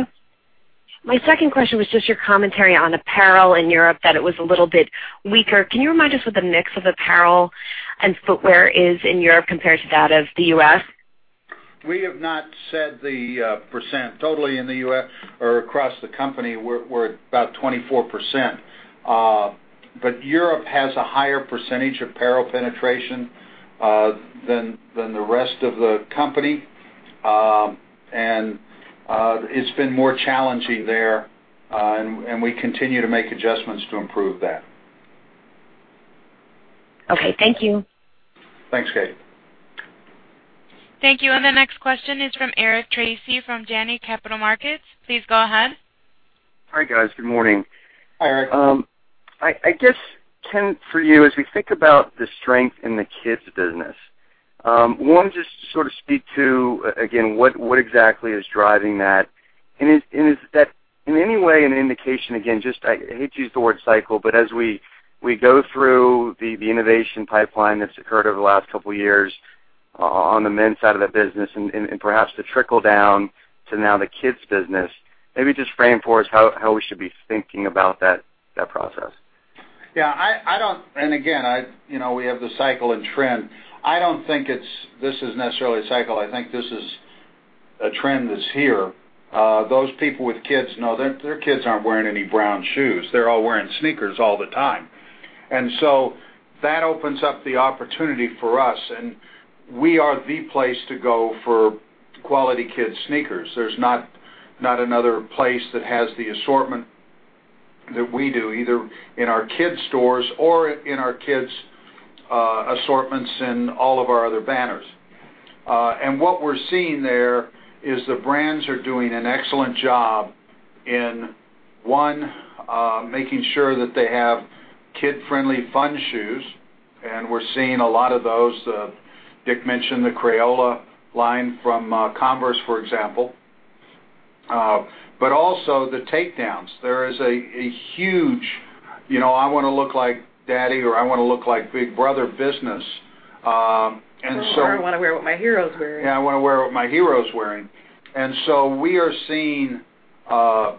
second question was just your commentary on apparel in Europe, that it was a little bit weaker. Can you remind us what the mix of apparel and footwear is in Europe compared to that of the U.S.?
We have not said the percent totally in the U.S. or across the company. We're about 24%. Europe has a higher percentage apparel penetration than the rest of the company. It's been more challenging there. We continue to make adjustments to improve that.
Okay. Thank you.
Thanks, Kate.
Thank you. The next question is from Eric Tracy from Janney Montgomery Scott. Please go ahead.
Hi, guys. Good morning.
Hi, Eric.
I guess, Ken, for you, as we think about the strength in the kids business, one, just sort of speak to, again, what exactly is driving that? Is that in any way an indication, again, just I hate to use the word cycle, but as we go through the innovation pipeline that's occurred over the last couple of years on the men's side of the business and perhaps the trickle down to now the kids business, maybe just frame for us how we should be thinking about that process.
Yeah. Again, we have the cycle and trend. I don't think this is necessarily a cycle. I think this is a trend that's here, those people with kids know their kids aren't wearing any brown shoes. They're all wearing sneakers all the time. That opens up the opportunity for us, and we are the place to go for quality kid sneakers. There's not another place that has the assortment that we do, either in our kids' stores or in our kids' assortments in all of our other banners. What we're seeing there is the brands are doing an excellent job in, one, making sure that they have kid-friendly fun shoes, and we're seeing a lot of those. Dick mentioned the Crayola line from Converse, for example. Also the takedowns. There is a huge, I want to look like daddy, or I want to look like big brother business.
I want to wear what my hero's wearing.
Yeah, I want to wear what my hero's wearing. We are seeing a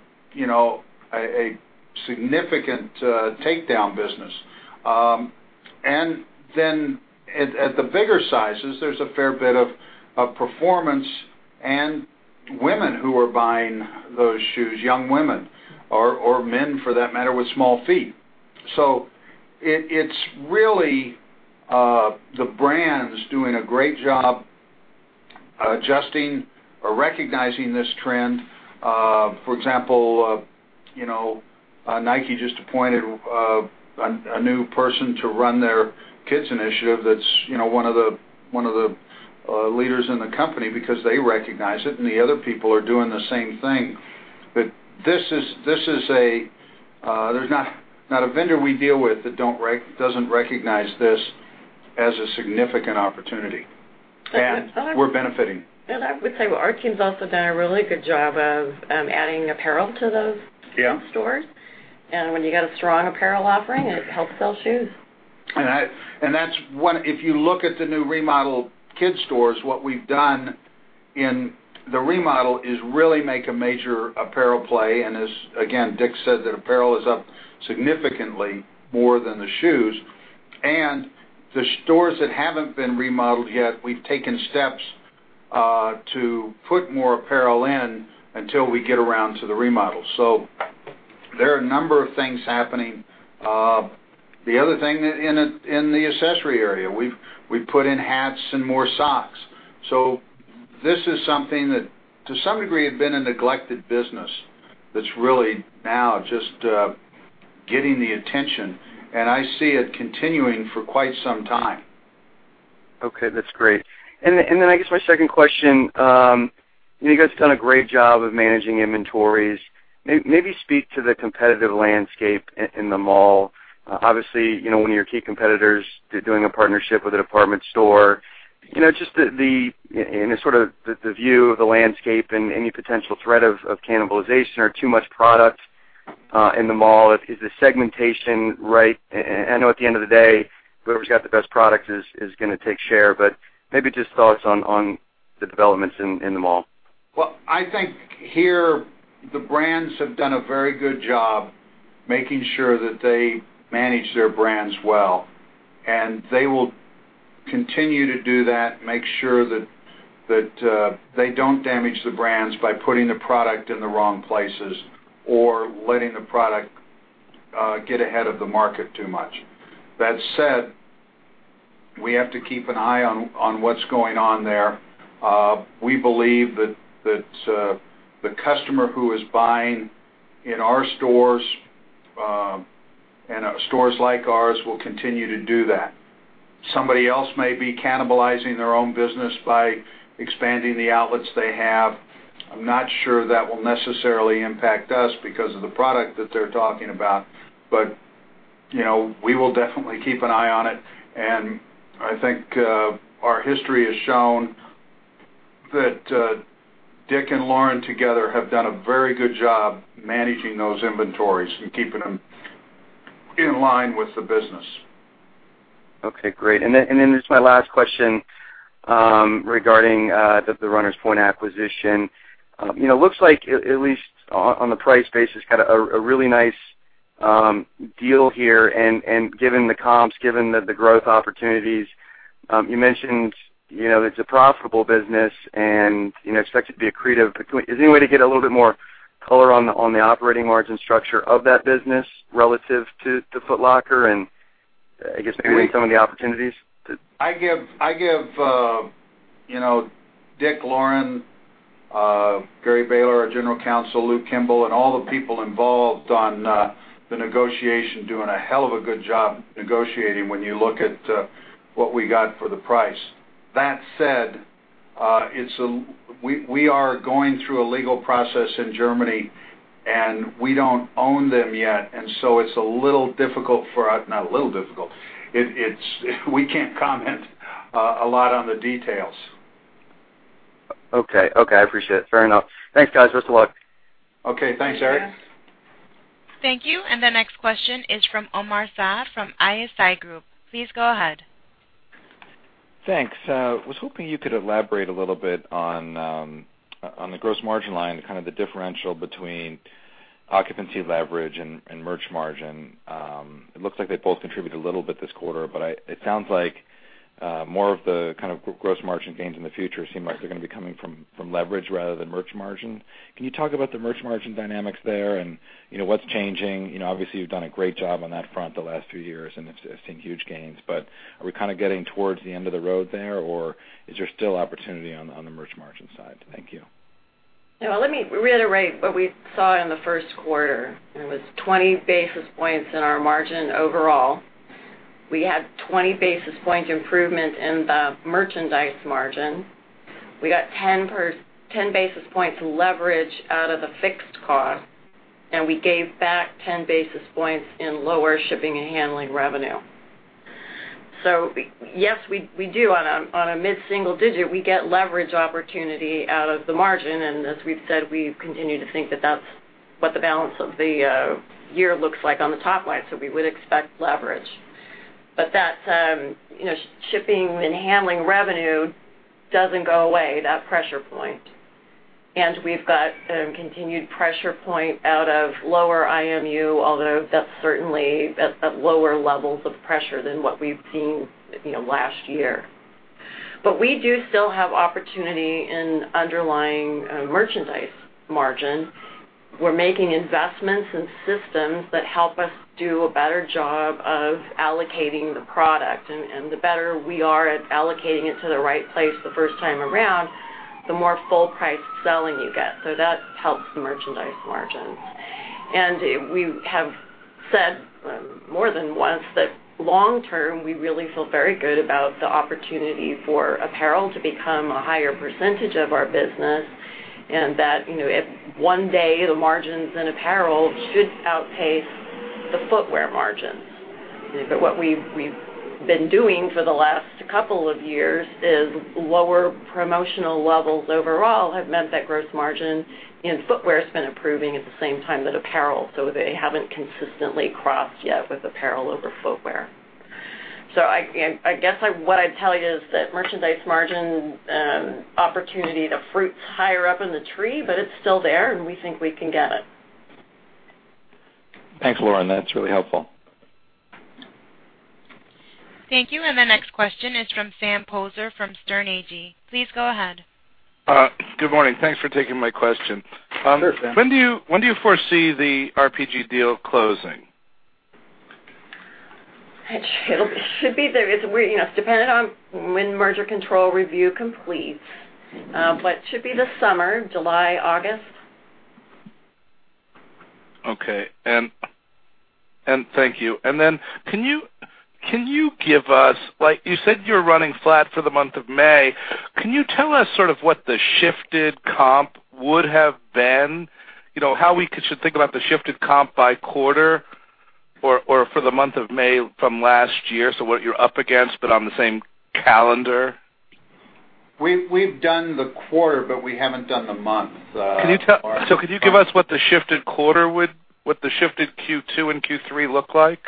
significant takedown business. At the bigger sizes, there's a fair bit of performance and women who are buying those shoes, young women or men, for that matter, with small feet. It's really the brands doing a great job adjusting or recognizing this trend. For example, Nike just appointed a new person to run their kids initiative that's one of the leaders in the company because they recognize it, and the other people are doing the same thing. There's not a vendor we deal with that doesn't recognize this as a significant opportunity. We're benefiting.
I would say our team's also done a really good job of adding apparel to those-
Yeah
stores. When you got a strong apparel offering, it helps sell shoes.
If you look at the new remodeled kids stores, what we've done in the remodel is really make a major apparel play. As, again, Dick said that apparel is up significantly more than the shoes. The stores that haven't been remodeled yet, we've taken steps to put more apparel in until we get around to the remodel. There are a number of things happening. The other thing in the accessory area, we've put in hats and more socks. This is something that, to some degree, had been a neglected business that's really now just getting the attention, and I see it continuing for quite some time.
Okay, that's great. I guess my second question, you guys done a great job of managing inventories. Maybe speak to the competitive landscape in the mall. Obviously, one of your key competitors, they're doing a partnership with a department store. Just the view of the landscape and any potential threat of cannibalization or too much product in the mall. Is the segmentation right? I know at the end of the day, whoever's got the best product is going to take share, but maybe just thoughts on the developments in the mall.
Well, I think here the brands have done a very good job making sure that they manage their brands well, and they will continue to do that, make sure that they don't damage the brands by putting the product in the wrong places or letting the product get ahead of the market too much. That said, we have to keep an eye on what's going on there. We believe that the customer who is buying in our stores and stores like ours will continue to do that. Somebody else may be cannibalizing their own business by expanding the outlets they have. I'm not sure that will necessarily impact us because of the product that they're talking about. We will definitely keep an eye on it, and I think our history has shown that Dick and Lauren together have done a very good job managing those inventories and keeping them in line with the business.
Okay, great. This is my last question regarding the Runners Point acquisition. Looks like, at least on the price basis, kind of a really nice deal here and given the comps, given the growth opportunities, you mentioned, it's a profitable business and expect it to be accretive. Is there any way to get a little bit more color on the operating margin structure of that business relative to Foot Locker and, I guess, maybe some of the opportunities?
I give Dick, Lauren, Gary Bahler, our general counsel, Luke Kimball, and all the people involved on the negotiation doing a hell of a good job negotiating when you look at what we got for the price. That said, we are going through a legal process in Germany, and we don't own them yet, and so it's a little difficult for us. Not a little difficult. We can't comment a lot on the details.
Okay. I appreciate it. Fair enough. Thanks, guys. Best of luck.
Okay. Thanks, Eric.
Thank you.
Thank you. The next question is from Omar Saad from ISI Group. Please go ahead.
Thanks. I was hoping you could elaborate a little bit on the gross margin line, kind of the differential between occupancy leverage and merch margin. It looks like they both contributed a little bit this quarter, it sounds like more of the kind of gross margin gains in the future seem like they're going to be coming from leverage rather than merch margin. Can you talk about the merch margin dynamics there, and what's changing? Obviously, you've done a great job on that front the last few years, and it's seen huge gains. Are we getting towards the end of the road there, or is there still opportunity on the merch margin side? Thank you.
Let me reiterate what we saw in the first quarter. It was 20 basis points in our margin overall. We had 20 basis point improvement in the merchandise margin. We got 10 basis points leverage out of the fixed cost, we gave back 10 basis points in lower shipping and handling revenue. Yes, we do, on a mid-single digit, we get leverage opportunity out of the margin, and as we've said, we continue to think that that's what the balance of the year looks like on the top line, so we would expect leverage. That shipping and handling revenue doesn't go away, that pressure point. We've got a continued pressure point out of lower IMU, although that's certainly at lower levels of pressure than what we've seen last year. We do still have opportunity in underlying merchandise margin. We're making investments in systems that help us do a better job of allocating the product, and the better we are at allocating it to the right place the first time around, the more full price selling you get. That helps the merchandise margins. We have said more than once that long term, we really feel very good about the opportunity for apparel to become a higher percentage of our business, and that if one day the margins in apparel should outpace the footwear margins. What we've been doing for the last couple of years is lower promotional levels overall have meant that gross margin in footwear has been improving at the same time that apparel, so they haven't consistently crossed yet with apparel over footwear. I guess what I'd tell you is that merchandise margin opportunity, the fruit's higher up in the tree, but it's still there, and we think we can get it.
Thanks, Lauren. That's really helpful.
Thank you. The next question is from Sam Poser from Sterne Agee. Please go ahead.
Good morning. Thanks for taking my question.
Sure, Sam.
When do you foresee the RPG deal closing?
It's dependent on when merger control review completes. Should be this summer, July, August.
Okay. Thank you. Then, you said you're running flat for the month of May. Can you tell us sort of what the shifted comp would have been? How we should think about the shifted comp by quarter or for the month of May from last year, so what you're up against, but on the same calendar?
We've done the quarter, we haven't done the month.
Could you give us what the shifted quarter would, what the shifted Q2 and Q3 look like?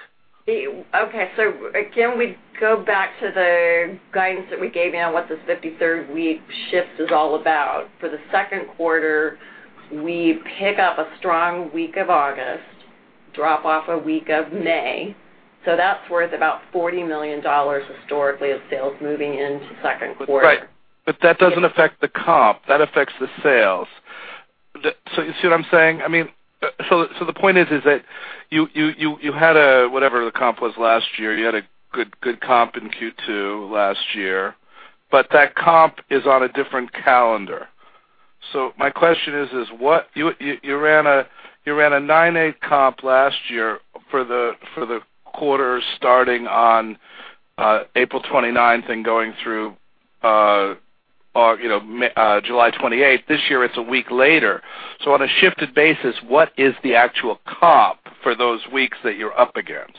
Okay. Again, we go back to the guidance that we gave you on what this 53rd week shift is all about. For the second quarter, we pick up a strong week of August, drop off a week of May. That's worth about $40 million historically of sales moving into second quarter.
Right. That doesn't affect the comp, that affects the sales. You see what I'm saying? The point is that you had whatever the comp was last year. You had a good comp in Q2 last year, that comp is on a different calendar. My question is, you ran a 9.8 comp last year for the quarter starting on April 29th and going through July 28th. This year, it's a week later. On a shifted basis, what is the actual comp for those weeks that you're up against?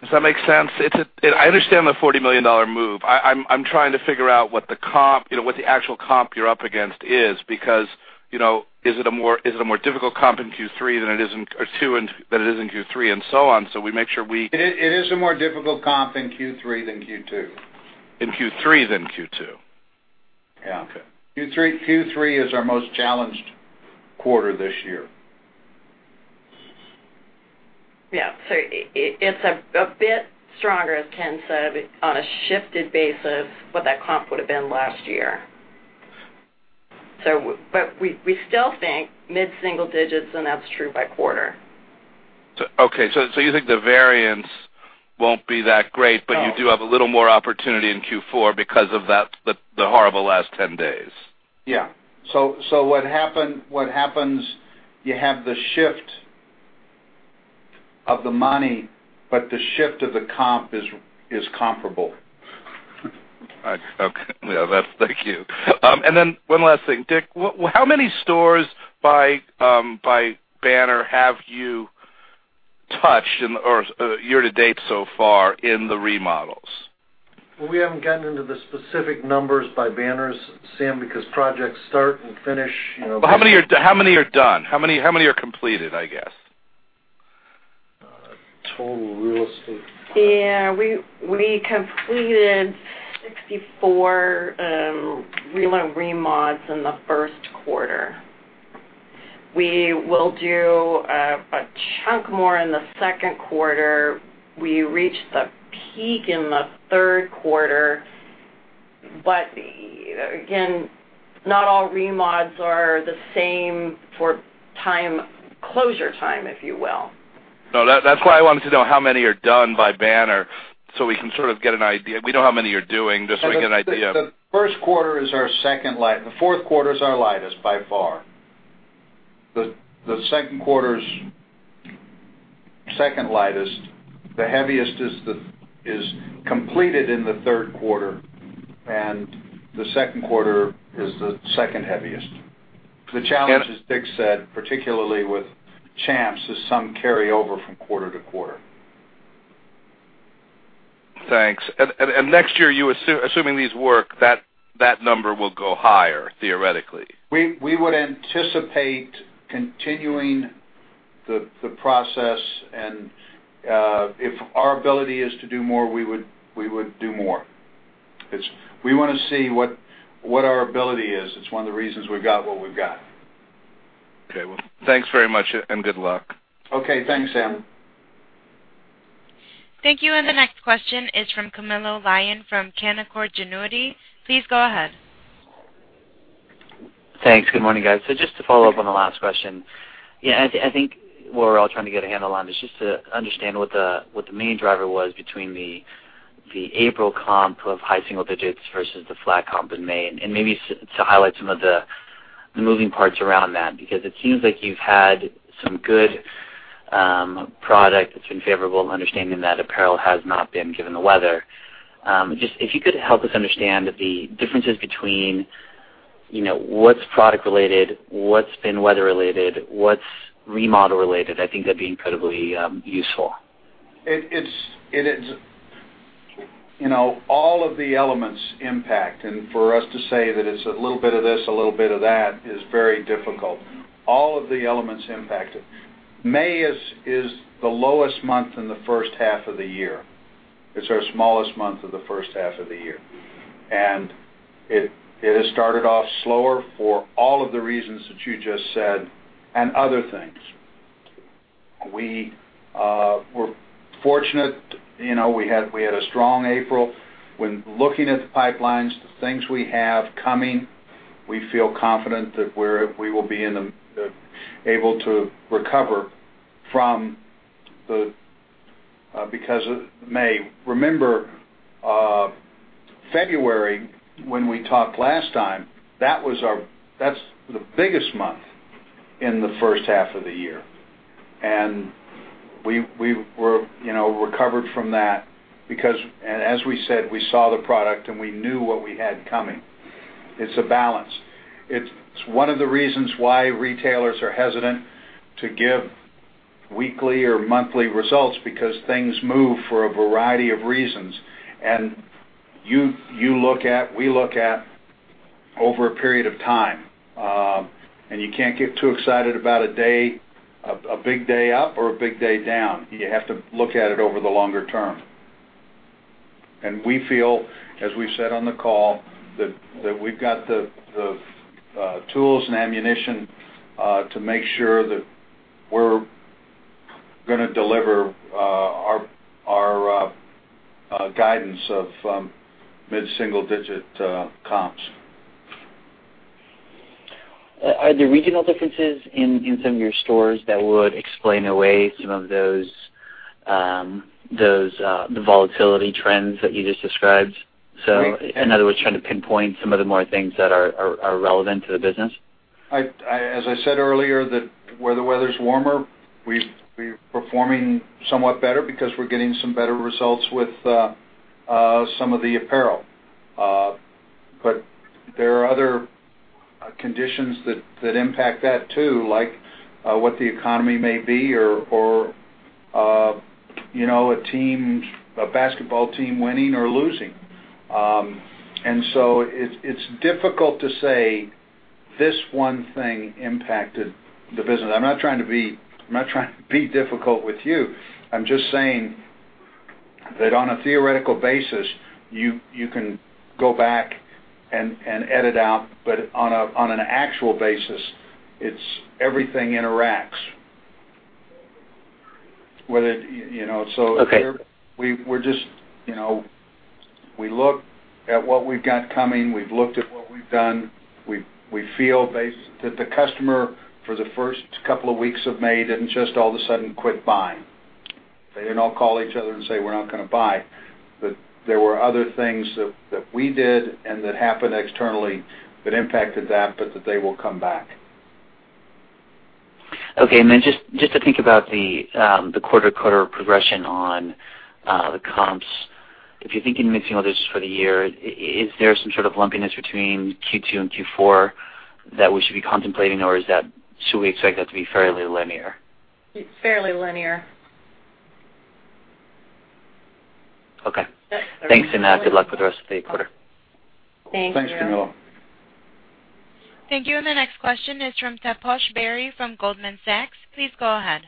Does that make sense? I understand the $40 million move. I'm trying to figure out what the actual comp you're up against is, because, is it a more difficult comp in Q3 than it is in Q2 and so on, so we make sure we-
It is a more difficult comp in Q3 than Q2.
In Q3 than Q2?
Yeah.
Okay.
Q3 is our most challenged quarter this year. Yeah. It's a bit stronger, as Ken said, on a shifted basis, what that comp would've been last year. We still think mid-single digits, and that's true by quarter.
Okay. You think the variance won't be that great.
No
You do have a little more opportunity in Q4 because of the horrible last 10 days?
Yeah. What happens, you have the shift of the money, but the shift of the comp is comparable.
Okay. Thank you. Then one last thing. Dick, how many stores by banner have you touched year to date so far in the remodels?
We haven't gotten into the specific numbers by banners, Sam, because projects start and finish-
How many are done? How many are completed, I guess?
Total real estate.
Yeah. We completed 64 relo remodels in the first quarter. We will do a chunk more in the second quarter. We reach the peak in the third quarter. Again, not all remodels are the same for closure time, if you will.
No, that's why I wanted to know how many are done by Banner, so we can sort of get an idea.
The first quarter is our second light. The fourth quarter is our lightest by far. The second quarter's second lightest. The heaviest is completed in the third quarter, the second quarter is the second heaviest. The challenge, as Dick said, particularly with Champs, is some carryover from quarter to quarter.
Thanks. Next year, assuming these work, that number will go higher, theoretically.
We would anticipate continuing the process, and if our ability is to do more, we would do more. We want to see what our ability is. It's one of the reasons we've got what we've got.
Okay. Well, thanks very much. Good luck.
Okay. Thanks, Sam.
Thank you. The next question is from Camilo Lyon from Canaccord Genuity. Please go ahead.
Thanks. Good morning, guys. Just to follow up on the last question. I think what we're all trying to get a handle on is just to understand what the main driver was between the April comp of high single digits versus the flat comp in May, and maybe to highlight some of the moving parts around that, because it seems like you've had some good product that's been favorable, understanding that apparel has not been, given the weather. If you could help us understand the differences between what's product related, what's been weather related, what's remodel related, I think that'd be incredibly useful.
All of the elements impact. For us to say that it's a little bit of this, a little bit of that is very difficult. All of the elements impact it. May is the lowest month in the first half of the year. It's our smallest month of the first half of the year. It has started off slower for all of the reasons that you just said and other things. We were fortunate. We had a strong April. When looking at the pipelines, the things we have coming, we feel confident that we will be able to recover because of May. Remember, February, when we talked last time, that's the biggest month in the first half of the year. We recovered from that because, as we said, we saw the product and we knew what we had coming. It's a balance. It's one of the reasons why retailers are hesitant to give weekly or monthly results because things move for a variety of reasons. We look at over a period of time. You can't get too excited about a big day up or a big day down. You have to look at it over the longer term. We feel, as we've said on the call, that we've got the tools and ammunition to make sure that we're going to deliver our guidance of mid-single digit comps.
Are there regional differences in some of your stores that would explain away some of the volatility trends that you just described? In other words, trying to pinpoint some of the more things that are relevant to the business.
As I said earlier, where the weather's warmer, we're performing somewhat better because we're getting some better results with some of the apparel. There are other conditions that impact that too, like what the economy may be or a basketball team winning or losing. It's difficult to say this one thing impacted the business. I'm not trying to be difficult with you. I'm just saying that on a theoretical basis, you can go back and edit out. On an actual basis, it's everything interacts.
Okay.
We look at what we've got coming. We've looked at what we've done. We feel that the customer for the first couple of weeks of May didn't just all of a sudden quit buying. They didn't all call each other and say, "We're not going to buy." There were other things that we did and that happened externally that impacted that, but that they will come back.
Okay. Just to think about the quarter-to-quarter progression on the comps. If you're thinking mid-single digits for the year, is there some sort of lumpiness between Q2 and Q4 that we should be contemplating, or should we expect that to be fairly linear?
It's fairly linear.
Okay. Thanks, and good luck with the rest of the quarter.
Thanks.
Thanks, Camilo.
Thank you. The next question is from Taposh Bari from Goldman Sachs. Please go ahead.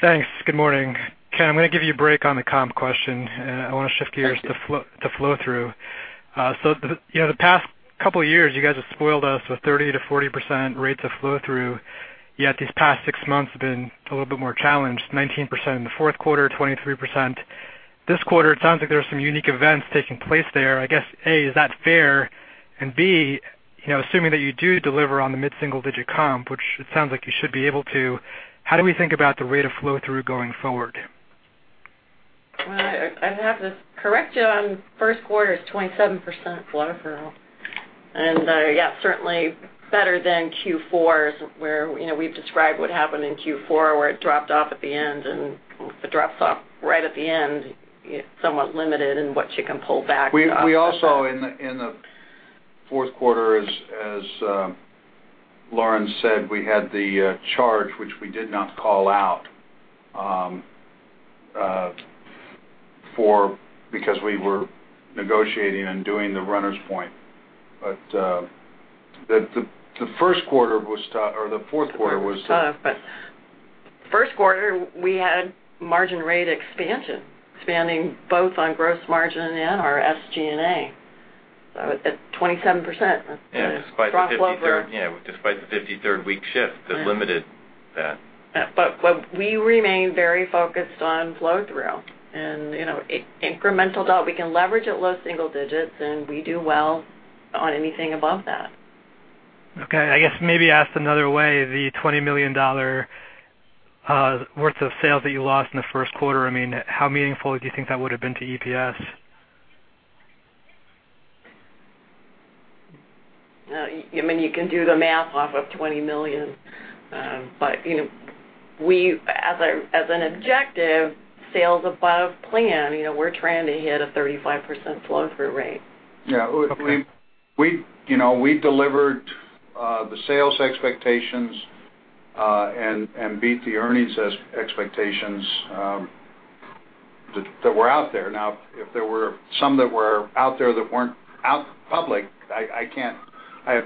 Thanks. Good morning. Ken, I'm going to give you a break on the comp question.
Thank you.
I want to shift gears to flow through. The past couple of years, you guys have spoiled us with 30%-40% rates of flow through, yet these past six months have been a little bit more challenged, 19% in the fourth quarter, 23% this quarter. It sounds like there are some unique events taking place there. I guess, A, is that fair? B, assuming that you do deliver on the mid-single-digit comp, which it sounds like you should be able to, how do we think about the rate of flow through going forward?
Well, I'd have to correct you on first quarter is 27% flow through. Yeah, certainly better than Q4, where we've described what happened in Q4, where it dropped off at the end, and if it drops off right at the end, you're somewhat limited in what you can pull back.
We also, in the fourth quarter, as Lauren said, we had the charge, which we did not call out, because we were negotiating and doing the Runners Point. The first quarter was tough, or the fourth quarter was tough.
Fourth quarter was tough, first quarter, we had margin rate expansion, expanding both on gross margin and our SG&A. At 27%, that's strong flow through.
Yeah, despite the 53rd-week shift that limited that.
We remain very focused on flow through and incremental dollar. We can leverage at low single digits, we do well on anything above that.
Okay. I guess maybe asked another way, the $20 million worth of sales that you lost in the first quarter, how meaningful do you think that would've been to EPS?
You can do the math off of $20 million. As an objective, sales above plan, we're trying to hit a 35% flow-through rate.
Yeah.
Okay.
We delivered the sales expectations and beat the earnings expectations that were out there. If there were some that were out there that weren't out public, I have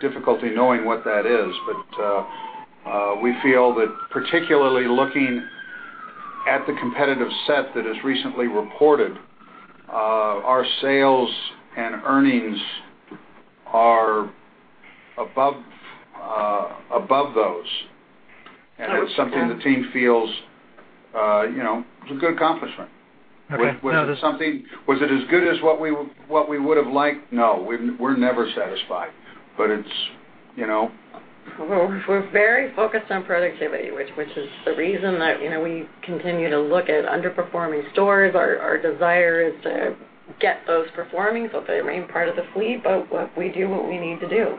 difficulty knowing what that is. We feel that particularly looking at the competitive set that has recently reported, our sales and earnings are above those.
Yeah.
It's something the team feels is a good accomplishment.
Okay.
Was it as good as what we would've liked? No. We're never satisfied.
Well, we're very focused on productivity, which is the reason that we continue to look at underperforming stores. Our desire is to get those performing so they remain part of the fleet. We do what we need to do.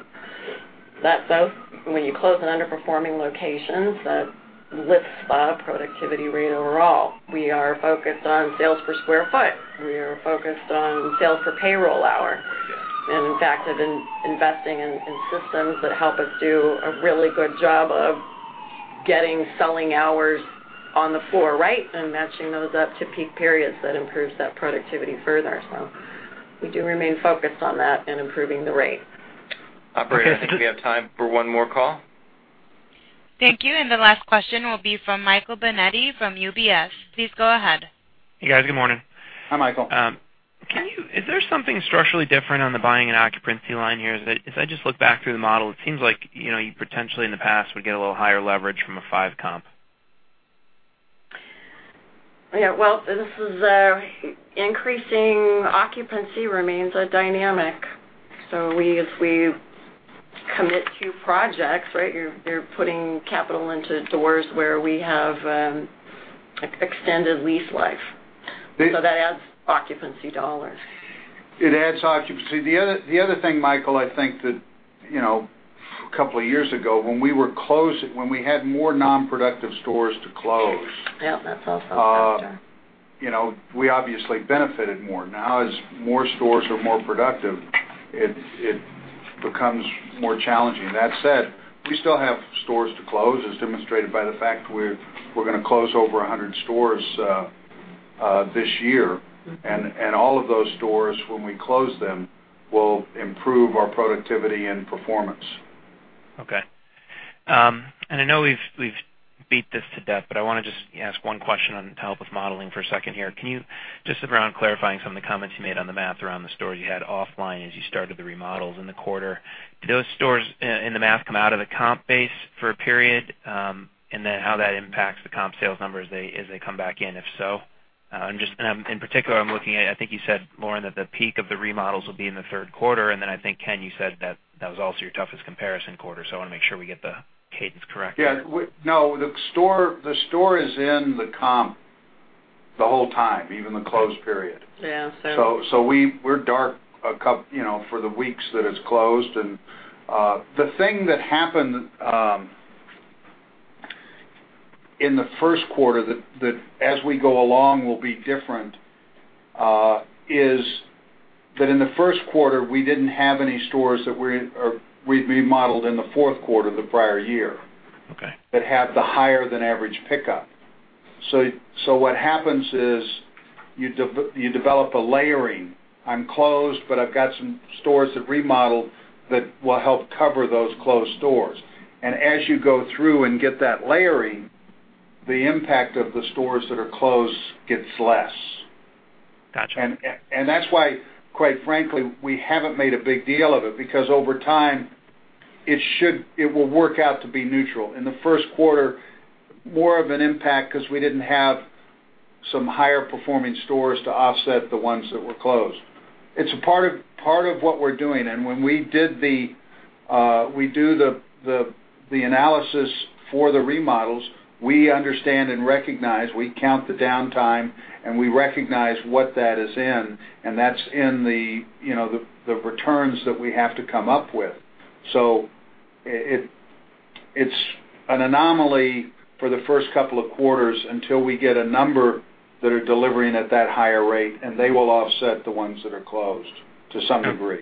When you close an underperforming location, that lifts the productivity rate overall. We are focused on sales per square foot. We are focused on sales per payroll hour.
Yes.
In fact, have been investing in systems that help us do a really good job of getting selling hours on the floor right and matching those up to peak periods that improves that productivity further. We do remain focused on that and improving the rate.
Operator, I think we have time for one more call.
Thank you. The last question will be from Michael Binetti from UBS. Please go ahead.
Hey, guys. Good morning.
Hi, Michael.
Is there something structurally different on the buying and occupancy line here? As I just look back through the model, it seems like you potentially, in the past, would get a little higher leverage from a five comp.
Yeah. Well, increasing occupancy remains a dynamic. As we commit to projects, you're putting capital into stores where we have extended lease life. That adds occupancy dollars.
It adds occupancy. The other thing, Michael, I think that a couple of years ago, when we had more non-productive stores to close.
Yep, that's also a factor.
we obviously benefited more. Now, as more stores are more productive, it becomes more challenging. That said, we still have stores to close, as demonstrated by the fact we're going to close over 100 stores this year. All of those stores, when we close them, will improve our productivity and performance.
Okay. I know we've beat this to death, but I want to just ask one question on help with modeling for a second here. Can you just sit around clarifying some of the comments you made on the math around the stores you had offline as you started the remodels in the quarter? Do those stores in the math come out of the comp base for a period, and then how that impacts the comp sales numbers as they come back in, if so? In particular, I'm looking at, I think you said, Lauren, that the peak of the remodels will be in the third quarter, and then I think, Ken, you said that that was also your toughest comparison quarter. I want to make sure we get the cadence correct.
Yeah. No. The store is in the comp the whole time, even the closed period.
Yeah.
We're dark for the weeks that it's closed. The thing that happened in the first quarter that as we go along will be different is that in the first quarter, we didn't have any stores that we remodeled in the fourth quarter the prior year.
Okay
That had the higher than average pickup. What happens is you develop a layering. I'm closed, but I've got some stores that remodeled that will help cover those closed stores. As you go through and get that layering, the impact of the stores that are closed gets less.
Got you.
That's why, quite frankly, we haven't made a big deal of it, because over time, it will work out to be neutral. In the first quarter, more of an impact because we didn't have some higher performing stores to offset the ones that were closed. It's a part of what we're doing. When we do the analysis for the remodels, we understand and recognize, we count the downtime, and we recognize what that is in, and that's in the returns that we have to come up with. It's an anomaly for the first couple of quarters until we get a number that are delivering at that higher rate, and they will offset the ones that are closed to some degree.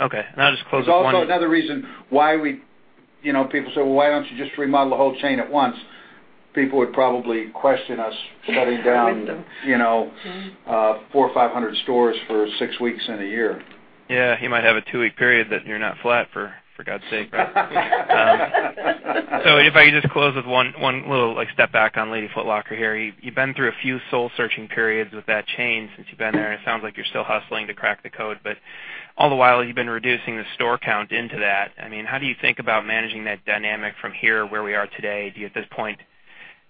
Okay. I'll just close with one.
It's also another reason why people say, "Well, why don't you just remodel the whole chain at once?" People would probably question us shutting down.
With them.
400 or 500 stores for 6 weeks in a year.
Yeah. You might have a 2-week period that you're not flat, for God's sake. If I could just close with one little step back on Lady Foot Locker here. You've been through a few soul-searching periods with that chain since you've been there, and it sounds like you're still hustling to crack the code. All the while, you've been reducing the store count into that. How do you think about managing that dynamic from here, where we are today? Do you, at this point,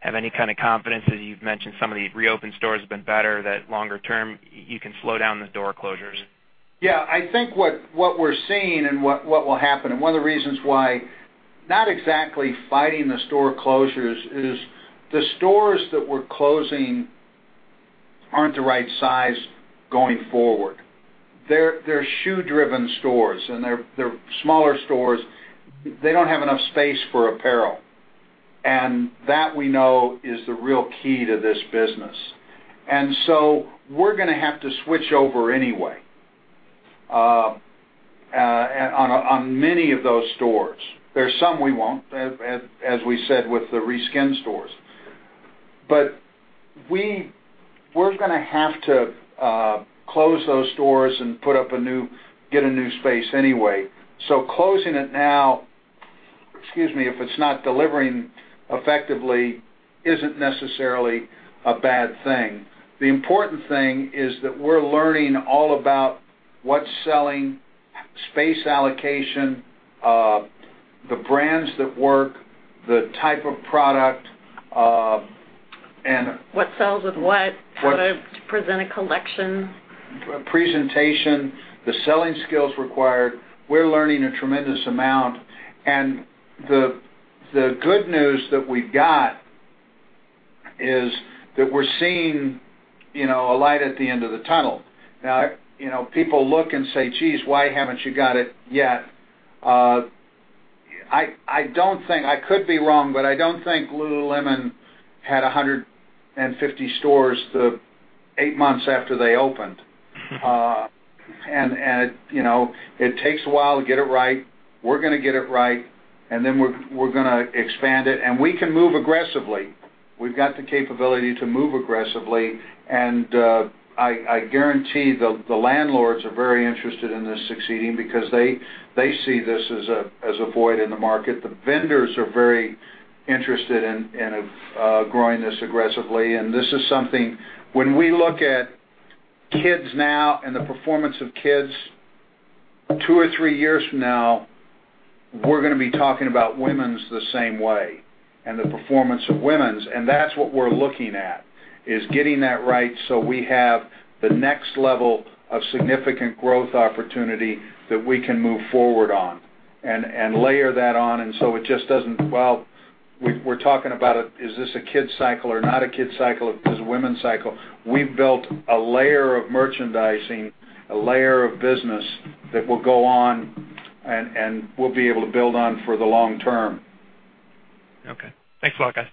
have any kind of confidence, as you've mentioned, some of the reopened stores have been better, that longer term you can slow down the store closures?
Yeah, I think what we're seeing and what will happen, and one of the reasons why not exactly fighting the store closures is the stores that we're closing aren't the right size going forward. They're shoe-driven stores, and they're smaller stores. They don't have enough space for apparel. That we know is the real key to this business. We're going to have to switch over anyway on many of those stores. There's some we won't, as we said, with the re-skin stores. We're going to have to close those stores and get a new space anyway. Closing it now, if it's not delivering effectively, isn't necessarily a bad thing. The important thing is that we're learning all about what's selling, space allocation, the brands that work, the type of product, and.
What sells with what.
What-
to present a collection.
Presentation, the selling skills required. We're learning a tremendous amount. The good news that we've got is that we're seeing a light at the end of the tunnel. Now, people look and say, "Jeez, why haven't you got it yet?" I could be wrong, but I don't think Lululemon had 150 stores eight months after they opened. It takes a while to get it right. We're going to get it right, and then we're going to expand it. We can move aggressively. We've got the capability to move aggressively, and I guarantee the landlords are very interested in this succeeding because they see this as a void in the market. The vendors are very interested in growing this aggressively. This is something, when we look at Kids now and the performance of Kids, two or three years from now, we're going to be talking about women's the same way and the performance of women's. That's what we're looking at, is getting that right so we have the next level of significant growth opportunity that we can move forward on and layer that on. Well, we're talking about is this a kids cycle or not a kids cycle? Is this a women's cycle? We've built a layer of merchandising, a layer of business that will go on and we'll be able to build on for the long term.
Okay. Thanks a lot, guys.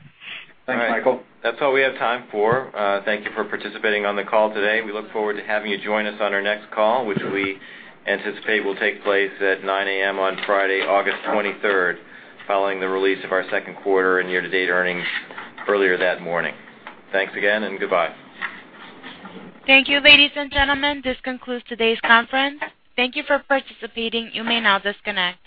Thanks, Michael.
All right. That's all we have time for. Thank you for participating on the call today. We look forward to having you join us on our next call, which we anticipate will take place at 9:00 A.M. on Friday, August 23rd, following the release of our second quarter and year-to-date earnings earlier that morning. Thanks again, and goodbye.
Thank you, ladies and gentlemen. This concludes today's conference. Thank you for participating. You may now disconnect.